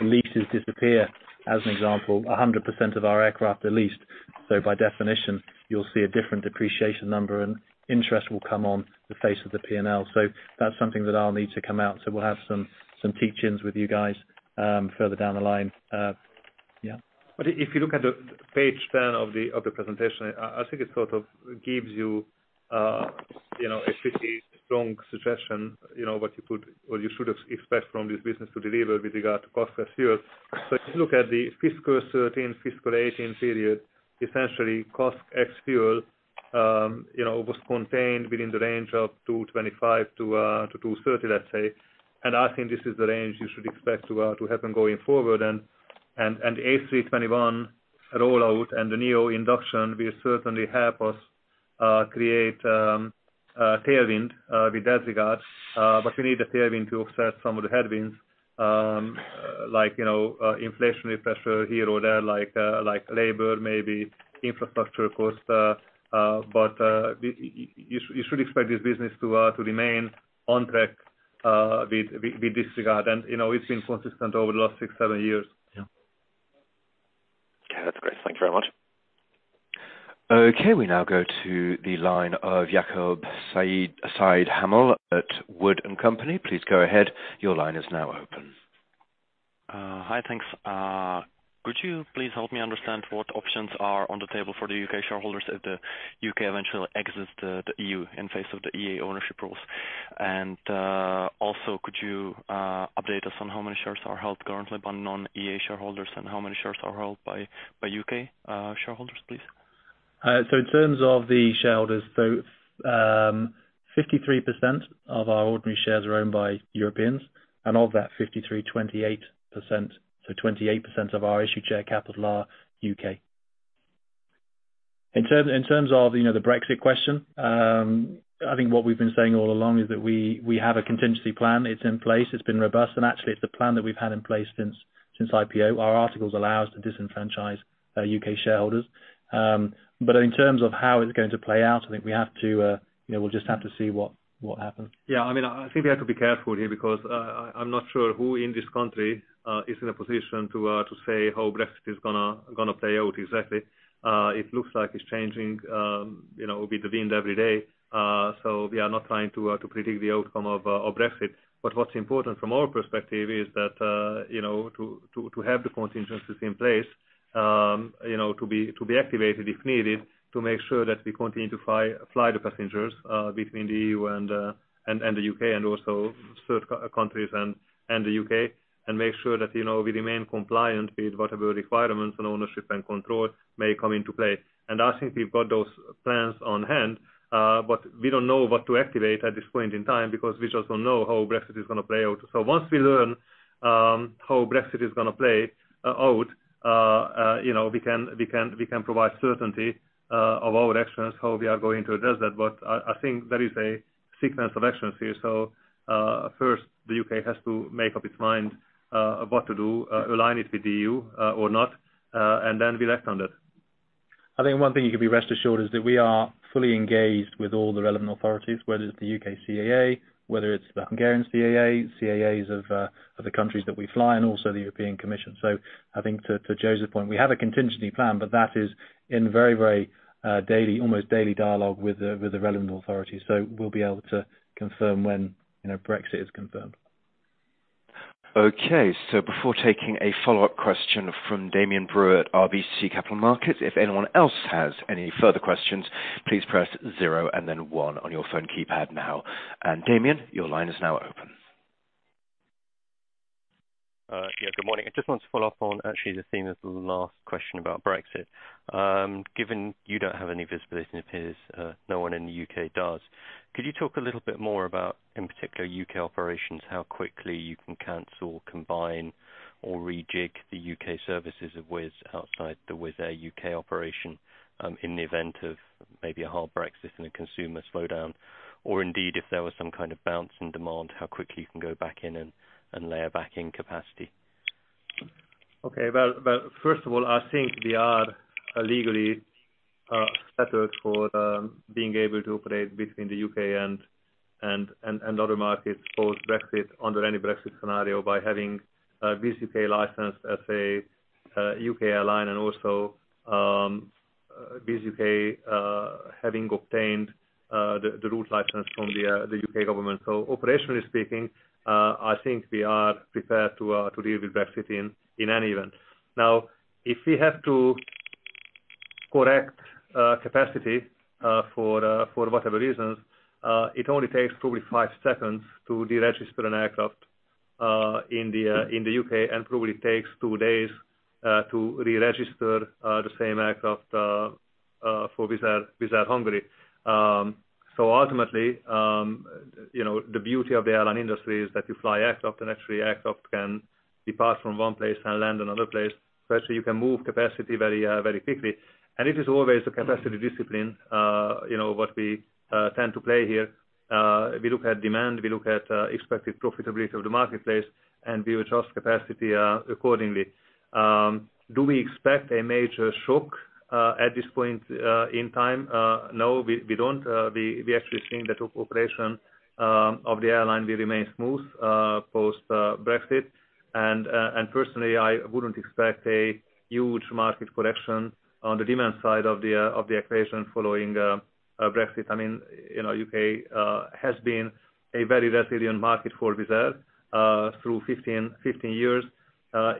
C: Leases disappear, as an example, 100% of our aircraft are leased. By definition, you'll see a different depreciation number, and interest will come on the face of the P&L. That's something that I'll need to come out. We'll have some teach-ins with you guys further down the line. Yeah.
B: If you look at page 10 of the presentation, I think it sort of gives you a pretty strong suggestion, what you should expect from this business to deliver with regard to cost per fuel. If you look at the fiscal 2013, fiscal 2018 period, essentially CASK ex-fuel, was contained within the range of 225-230, let's say. I think this is the range you should expect to happen going forward. A321 rollout and the neo induction will certainly help us create tailwind with that regard. We need a tailwind to offset some of the headwinds like inflationary pressure here or there, like labor, maybe infrastructure cost. You should expect this business to remain on track with this regard. It's been consistent over the last six, seven years.
C: Yeah.
J: Okay. That's great. Thank you very much.
A: Okay, we now go to the line of Jakub Caithaml at Wood & Company. Please go ahead. Your line is now open.
K: Hi, thanks. Could you please help me understand what options are on the table for the U.K. shareholders if the U.K. eventually exits the EU in face of the EEA ownership rules? Also, could you update us on how many shares are held currently by non-EEA shareholders and how many shares are held by U.K. shareholders, please?
C: In terms of the shareholders, 53% of our ordinary shares are owned by Europeans. Of that 53, 28%, 28% of our issued share capital are U.K. I think what we've been saying all along is that we have a contingency plan. It's in place, it's been robust, and actually it's a plan that we've had in place since IPO. Our articles allow us to disenfranchise U.K. shareholders. I think we'll just have to see what happens.
B: Yeah, I think we have to be careful here because I'm not sure who in this country is in a position to say how Brexit is going to play out exactly. It looks like it's changing with the wind every day. We are not trying to predict the outcome of Brexit. What's important from our perspective is that to have the contingencies in place, to be activated if needed, to make sure that we continue to fly the passengers between the EU and the U.K. and also third countries and the U.K., and make sure that we remain compliant with whatever requirements and ownership and control may come into play. I think we've got those plans on hand. We don't know what to activate at this point in time because we just don't know how Brexit is going to play out. Once we learn how Brexit is going to play out, we can provide certainty of our actions, how we are going to address that. I think there is a sequence of actions here. First the U.K. has to make up its mind what to do, align it with the EU or not, then we act on that.
C: I think one thing you can be rest assured is that we are fully engaged with all the relevant authorities, whether it's the U.K. CAA, whether it's the Hungarian CAA, the CAAs of the countries that we fly and also the European Commission. I think to József's point, we have a contingency plan, but that is in very almost daily dialogue with the relevant authorities. We'll be able to confirm when Brexit is confirmed.
A: Okay. Before taking a follow-up question from Damian Brewer at RBC Capital Markets, if anyone else has any further questions, please press zero and then one on your phone keypad now. Damian, your line is now open.
G: Yeah, good morning. I just want to follow up on actually the theme of the last question about Brexit. Given you don't have any visibility and it appears no one in the U.K. does, could you talk a little bit more about, in particular U.K. operations, how quickly you can cancel, combine, or rejig the U.K. services of Wizz outside the Wizz Air U.K. operation, in the event of maybe a hard Brexit and a consumer slowdown? Indeed if there was some kind of bounce in demand, how quickly you can go back in and layer back in capacity?
B: Well, first of all, I think we are legally settled for being able to operate between the U.K. and other markets post-Brexit under any Brexit scenario by having Wizz UK licensed as a U.K. airline, and also Wizz UK having obtained the route license from the U.K. government. Operationally speaking, I think we are prepared to deal with Brexit in any event. If we have to correct capacity for whatever reasons, it only takes probably five seconds to deregister an aircraft in the U.K. and probably takes two days to reregister the same aircraft for Wizz Air Hungary. Ultimately, the beauty of the airline industry is that you fly aircraft, and actually aircraft can depart from one place and land another place. Actually you can move capacity very quickly. It is always the capacity discipline what we tend to play here. We look at demand, we look at expected profitability of the marketplace, and we adjust capacity accordingly. Do we expect a major shock at this point in time? No, we don't. We actually think that the operation of the airline will remain smooth post-Brexit. And personally, I wouldn't expect a huge market correction on the demand side of the equation following Brexit. U.K. has been a very resilient market for Wizz Air through 15 years.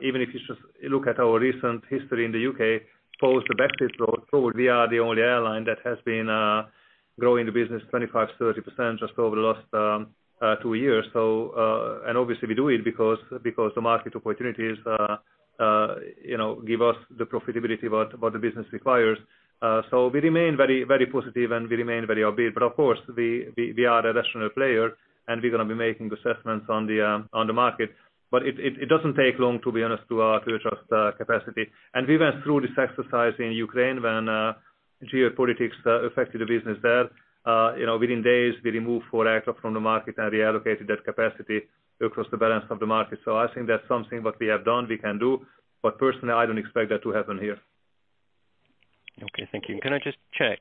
B: Even if you just look at our recent history in the U.K., post the Brexit vote, we are the only airline that has been growing the business 25%-30% just over the last two years. Obviously we do it because the market opportunities give us the profitability what the business requires. We remain very positive, and we remain very upbeat. Of course, we are a rational player, and we're going to be making assessments on the market. It doesn't take long, to be honest, to adjust capacity. We went through this exercise in Ukraine when geopolitics affected the business there. Within days, we removed four aircraft from the market and reallocated that capacity across the balance of the market. I think that's something that we have done, we can do. Personally, I don't expect that to happen here.
G: Okay. Thank you. Can I just check,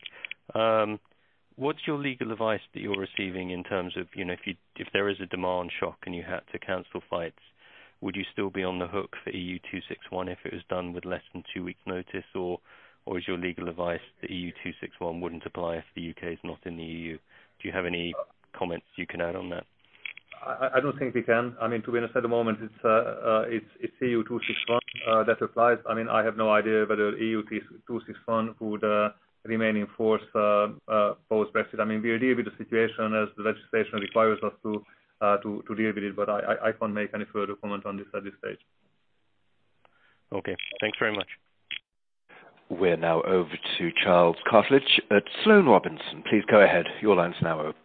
G: what's your legal advice that you're receiving in terms of if there is a demand shock and you had to cancel flights, would you still be on the hook for EU 261 if it was done with less than two weeks notice? Is your legal advice that EU 261 wouldn't apply if the U.K. is not in the EU? Do you have any comments you can add on that?
B: I don't think we can. To be honest, at the moment, it's EU 261 that applies. I have no idea whether EU 261 would remain in force post Brexit. We will deal with the situation as the legislation requires us to deal with it, but I can't make any further comment on this at this stage.
G: Okay. Thanks very much.
A: We're now over to Charles Cartledge at Sloane Robinson. Please go ahead. Your line's now open.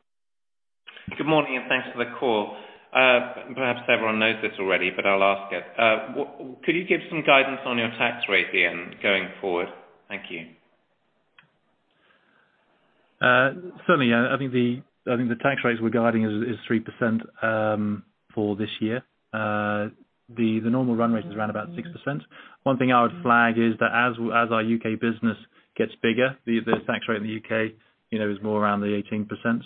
L: Good morning. Thanks for the call. Perhaps everyone knows this already. I'll ask it. Could you give some guidance on your tax rate Iain going forward? Thank you.
C: Certainly, yeah. I think the tax rates we're guiding is 3% for this year. The normal run rate is around about 6%. One thing I would flag is that as our U.K. business gets bigger, the tax rate in the U.K. is more around the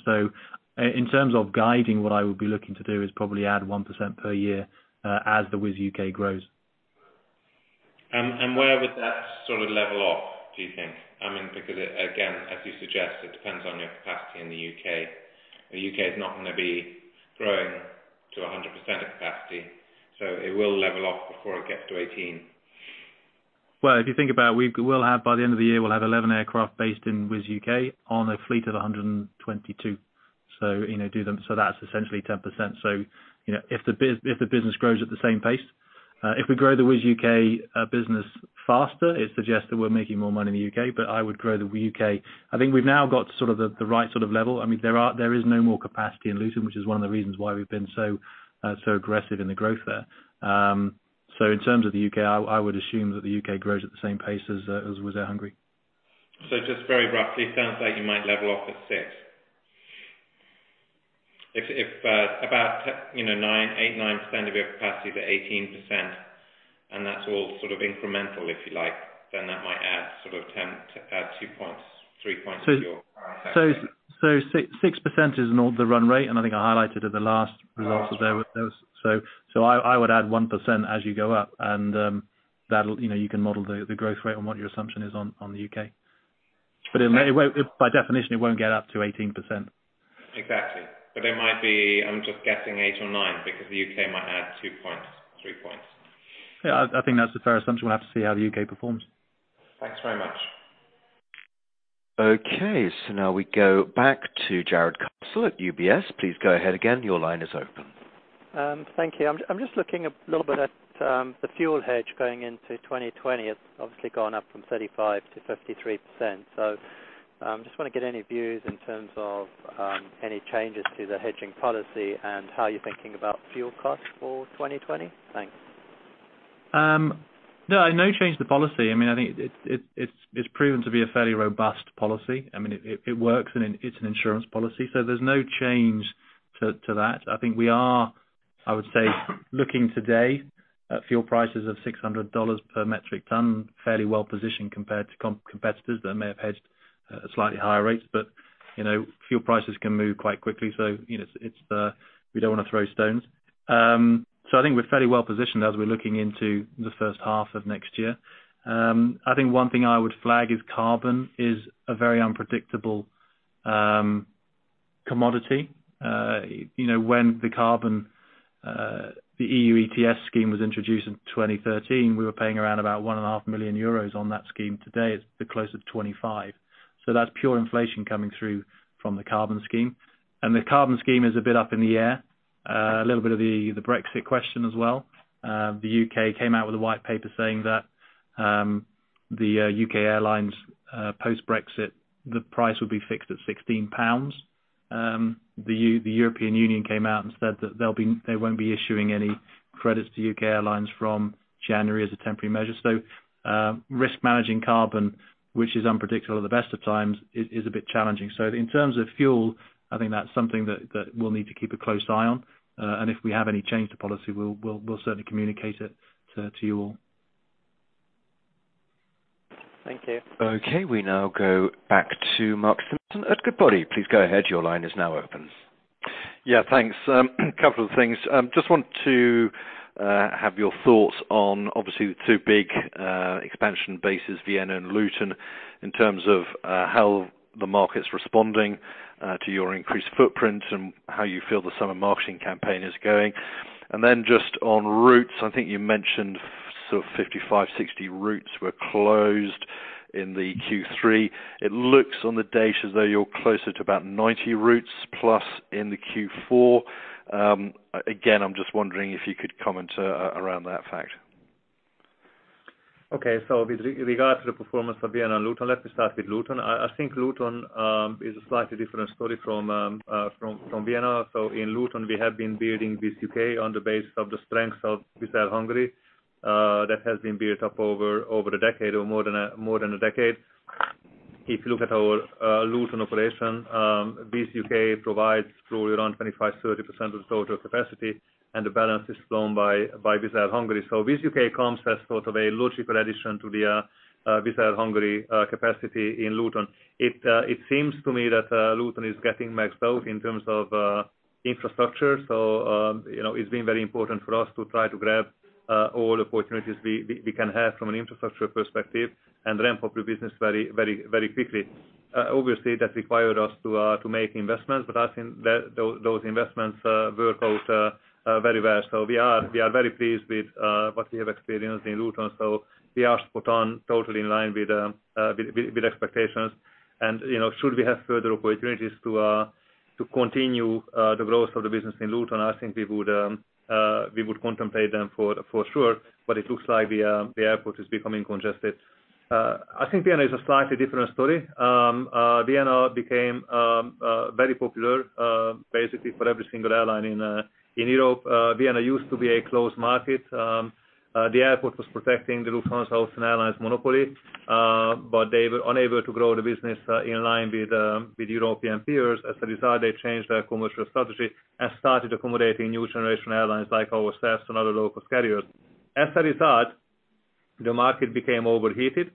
C: 18%. In terms of guiding, what I would be looking to do is probably add 1% per year as the Wizz UK grows.
L: Where would that sort of level off, do you think? Because, again, as you suggest, it depends on your capacity in the U.K. The U.K. is not going to be growing to 100% of capacity, it will level off before it gets to 18%.
C: Well, if you think about it, by the end of the year, we'll have 11 aircraft based in Wizz UK on a fleet of 122. That's essentially 10%. If the business grows at the same pace. If we grow the Wizz UK business faster, it suggests that we're making more money in the U.K., I would grow the U.K. I think we've now got the right level. There is no more capacity in Luton, which is one of the reasons why we've been so aggressive in the growth there. In terms of the U.K., I would assume that the U.K. grows at the same pace as Wizz Air Hungary.
L: Just very roughly, it sounds like you might level off at 6%. If about 8, 9% of your capacity is at 18%, and that's all sort of incremental, if you like, then that might add two points, three points to your current tax rate.
C: 6% is the run rate, and I think I highlighted at the last results.
L: Last one
C: I would add 1% as you go up, and you can model the growth rate on what your assumption is on the U.K. By definition, it won't get up to 18%.
L: Exactly. It might be, I'm just guessing eight or nine, because the U.K. might add two points, three points.
C: Yeah, I think that's a fair assumption. We'll have to see how the U.K. performs.
L: Thanks very much.
A: Okay, now we go back to Jarrod Castle at UBS. Please go ahead again. Your line is open.
D: Thank you. I'm just looking a little bit at the fuel hedge going into 2020. It's obviously gone up from 35%-53%. Just want to get any views in terms of any changes to the hedging policy and how you're thinking about fuel costs for 2020. Thanks.
C: No, no change to policy. I think it's proven to be a fairly robust policy. It works, and it's an insurance policy. There's no change to that. I think we are, I would say, looking today at fuel prices of $600 per metric ton, fairly well positioned compared to competitors that may have hedged at slightly higher rates. Fuel prices can move quite quickly, so we don't want to throw stones. I think we're fairly well positioned as we're looking into the first half of next year. I think one thing I would flag is carbon is a very unpredictable commodity. When the EU ETS scheme was introduced in 2013, we were paying around about 1.5 million euros on that scheme. Today, it's closer to 25 million. That's pure inflation coming through from the carbon scheme. The carbon scheme is a bit up in the air. A little bit of the Brexit question as well. The U.K. came out with a white paper saying that the U.K. airlines, post-Brexit, the price will be fixed at 16 pounds. The European Union came out and said that they won't be issuing any credits to U.K. airlines from January as a temporary measure. Risk managing carbon, which is unpredictable at the best of times, is a bit challenging. In terms of fuel, I think that's something that we'll need to keep a close eye on. If we have any change to policy, we'll certainly communicate it to you all. Thank you.
A: Okay, we now go back to Mark Simpson at Goodbody. Please go ahead. Your line is now open.
E: Yeah, thanks. A couple of things. Just want to have your thoughts on obviously two big expansion bases, Vienna and Luton, in terms of how the market's responding to your increased footprint and how you feel the summer marketing campaign is going. Just on routes, I think you mentioned sort of 55, 60 routes were closed in the Q3. It looks on the data as though you're closer to about 90 routes plus in the Q4. Again, I'm just wondering if you could comment around that fact.
B: Okay, with regard to the performance of Vienna and Luton, let me start with Luton. I think Luton is a slightly different story from Vienna. In Luton, we have been building Wizz UK on the basis of the strength of Wizz Air Hungary that has been built up over a decade or more than a decade. If you look at our Luton operation, Wizz UK provides probably around 25%, 30% of the total capacity, and the balance is flown by Wizz Air Hungary. Wizz UK comes as sort of a logical addition to the Wizz Air Hungary capacity in Luton. It seems to me that Luton is getting maxed out in terms of infrastructure. It's been very important for us to try to grab all opportunities we can have from an infrastructure perspective and ramp up the business very quickly. Obviously, that required us to make investments, I think those investments worked out very well. We are very pleased with what we have experienced in Luton. We are spot on, totally in line with expectations and should we have further opportunities to continue the growth of the business in Luton, I think we would contemplate them for sure, it looks like the airport is becoming congested. I think Vienna is a slightly different story. Vienna became very popular, basically for every single airline in Europe. Vienna used to be a closed market. The airport was protecting the Lufthansa Austrian Airlines monopoly, but they were unable to grow the business in line with European peers. As a result, they changed their commercial strategy and started accommodating new generation airlines like ourselves and other local carriers. As a result, the market became overheated.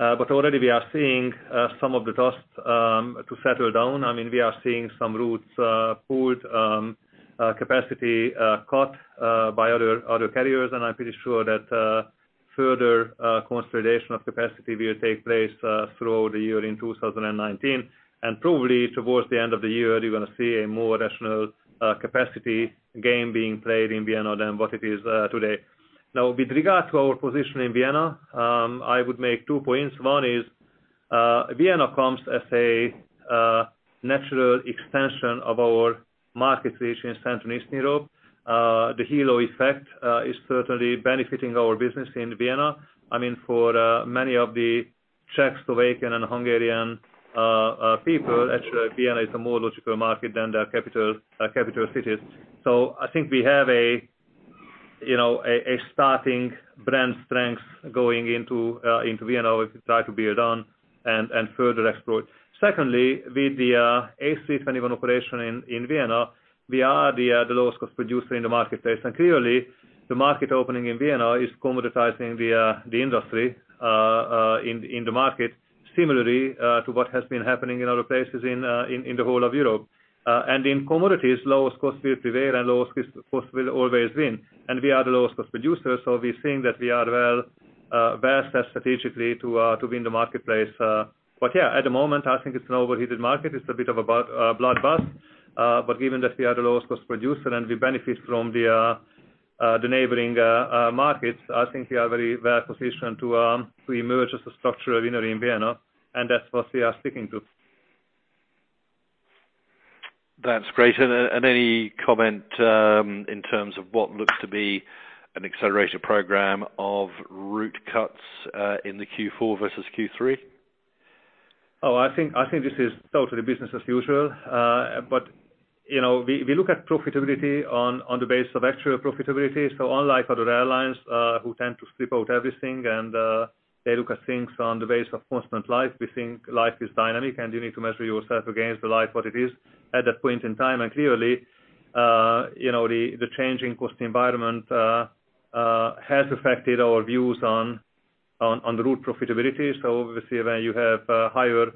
B: Already we are seeing some of the dust to settle down. I mean, we are seeing some routes pulled, capacity cut by other carriers, I'm pretty sure that further consolidation of capacity will take place throughout the year in 2019, and probably towards the end of the year, you're going to see a more rational capacity game being played in Vienna than what it is today. With regard to our position in Vienna, I would make two points. One is, Vienna comes as a natural extension of our market reach in Central and Eastern Europe. The halo effect is certainly benefiting our business in Vienna. I mean, for many of the Czech, Slovakian, and Hungarian people, actually, Vienna is a more logical market than their capital cities. I think we have a starting brand strength going into Vienna, which we try to build on and further explore. Secondly, with the A321 operation in Vienna, we are the lowest cost producer in the marketplace. Clearly, the market opening in Vienna is commoditizing the industry in the market similarly to what has been happening in other places in the whole of Europe. In commodities, lowest cost will prevail and lowest cost will always win. We are the lowest cost producer, we think that we are well versed strategically to win the marketplace. Yeah, at the moment, I think it's an overheated market. It's a bit of a blood bath. Given that we are the lowest cost producer and we benefit from the neighboring markets, I think we are very well positioned to emerge as a structural winner in Vienna, and that's what we are sticking to.
E: Any comment in terms of what looks to be an acceleration program of route cuts in the Q4 versus Q3?
B: I think this is totally business as usual. We look at profitability on the base of actual profitability. Unlike other airlines who tend to strip out everything and they look at things on the base of constant life, we think life is dynamic, and you need to measure yourself against the life what it is at that point in time. Clearly, the change in cost environment has affected our views on the route profitability. Obviously, when you have higher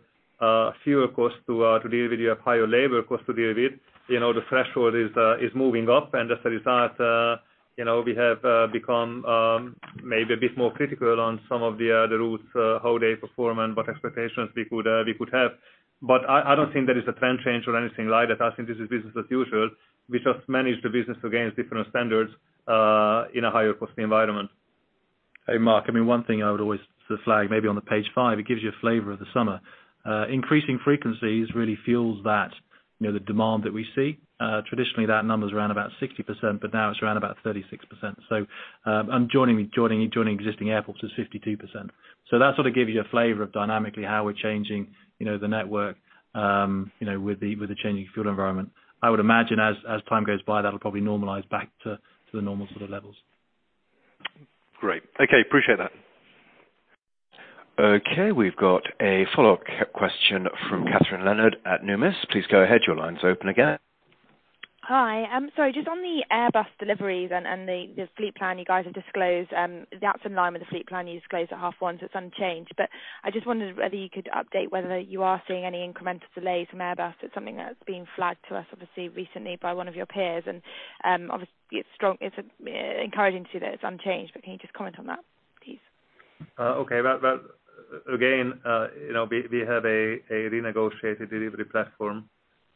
B: fuel cost to deal with, you have higher labor cost to deal with. The threshold is moving up, and as a result we have become maybe a bit more critical on some of the other routes, how they perform and what expectations we could have. I don't think there is a trend change or anything like that. I think this is business as usual. We just manage the business against different standards in a higher cost environment.
C: Hey, Mark, I mean, one thing I would always flag, maybe on the page five, it gives you a flavor of the summer. Increasing frequencies really fuels that, the demand that we see. Traditionally, that number is around about 60%, but now it's around about 36%. And joining existing airports is 52%. That sort of gives you a flavor of dynamically how we're changing the network with the changing fuel environment. I would imagine as time goes by, that'll probably normalize back to the normal sort of levels.
E: Great. Okay. Appreciate that.
A: Okay. We've got a follow-up question from Kathryn Leonard at Numis Securi. Please go ahead. Your line's open again.
H: Hi. I'm sorry, just on the Airbus deliveries and the fleet plan you guys have disclosed, that's in line with the fleet plan you disclosed at half one, it's unchanged. I just wondered whether you could update whether you are seeing any incremental delays from Airbus. It's something that's been flagged to us, obviously, recently by one of your peers, and obviously it's encouraging to see that it's unchanged, but can you just comment on that, please?
B: Okay. Again, we have a renegotiated delivery platform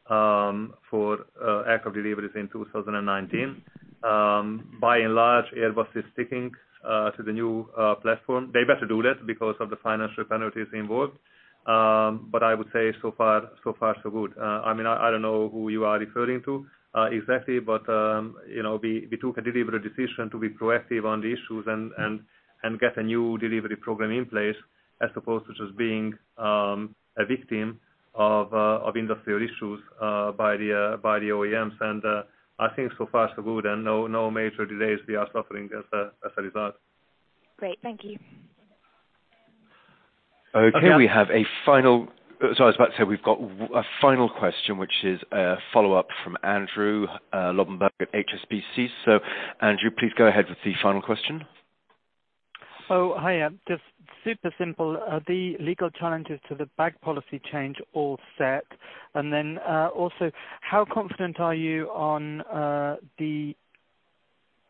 B: for aircraft deliveries in 2019. By and large, Airbus is sticking to the new platform. They better do that because of the financial penalties involved. I would say so far, so good. I don't know who you are referring to exactly, we took a deliberate decision to be proactive on the issues and get a new delivery program in place as opposed to just being a victim of industrial issues by the OEMs. I think so far, so good and no major delays we are suffering as a result.
H: Great. Thank you.
A: Okay. We have a final question, which is a follow-up from Andrew Lobbenberg at HSBC. Andrew, please go ahead with the final question.
I: Hi. Just super simple. Are the legal challenges to the bag policy change all set? How confident are you on the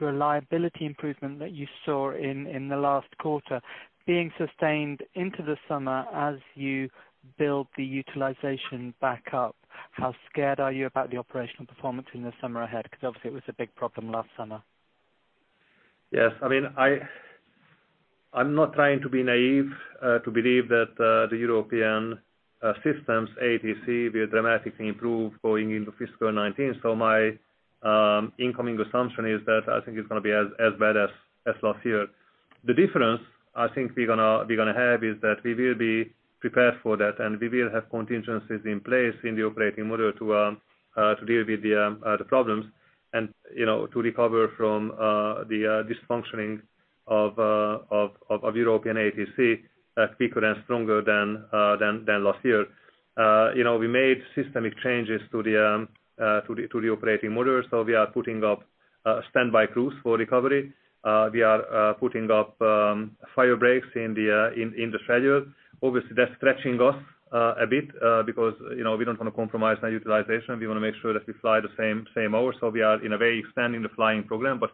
I: reliability improvement that you saw in the last quarter being sustained into the summer as you build the utilization back up? How scared are you about the operational performance in the summer ahead? Obviously it was a big problem last summer.
B: Yes. I'm not trying to be naive to believe that the European systems, ATC, will dramatically improve going into fiscal 2019. My incoming assumption is that I think it's going to be as bad as last year. The difference I think we're going to have is that we will be prepared for that, and we will have contingencies in place in the operating model to deal with the problems and to recover from the dysfunctioning of European ATC quicker and stronger than last year. We made systemic changes to the operating model, so we are putting up standby crews for recovery. We are putting up fire breaks in the schedule. Obviously, that's stretching us a bit, because we don't want to compromise our utilization. We want to make sure that we fly the same hours. We are in a way expanding the flying program, but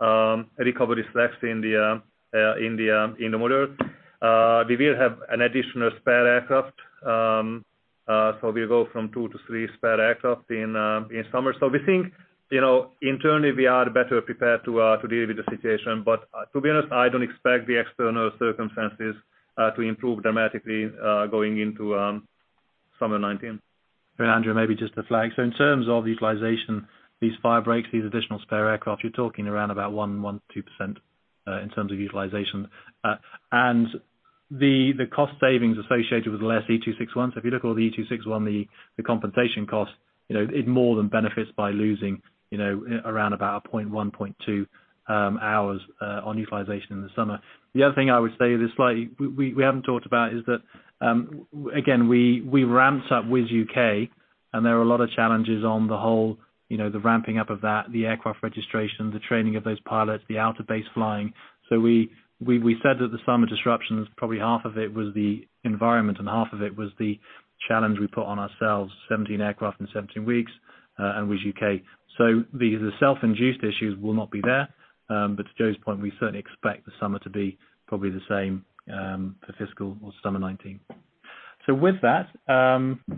B: with more recovery slacks in the model. We will have an additional spare aircraft. We'll go from two to three spare aircraft in summer. We think internally we are better prepared to deal with the situation. To be honest, I don't expect the external circumstances to improve dramatically going into summer 2019.
C: Andrew, maybe just to flag. In terms of utilization, these fire breaks, these additional spare aircraft, you're talking around about 1%-2% in terms of utilization. The cost savings associated with less EU 261s. If you look at all the EU 261, the compensation cost, it more than benefits by losing around about 0.1%-0.2% hours on utilization in the summer. The other thing I would say that's likely, we haven't talked about, is that, again, we ramped up Wizz Air UK, and there are a lot of challenges on the whole ramping up of that, the aircraft registration, the training of those pilots, the outer base flying. We said that the summer disruptions, probably half of it was the environment and half of it was the challenge we put on ourselves, 17 aircraft in 17 weeks, and Wizz Air UK. The self-induced issues will not be there. To Joe's point, we certainly expect the summer to be probably the same for fiscal or summer 2019. With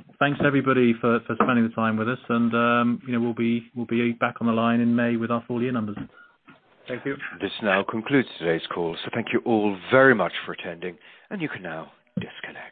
C: that, thanks everybody for spending the time with us, and we'll be back on the line in May with our full year numbers.
B: Thank you.
A: This now concludes today's call. Thank you all very much for attending, you can now disconnect.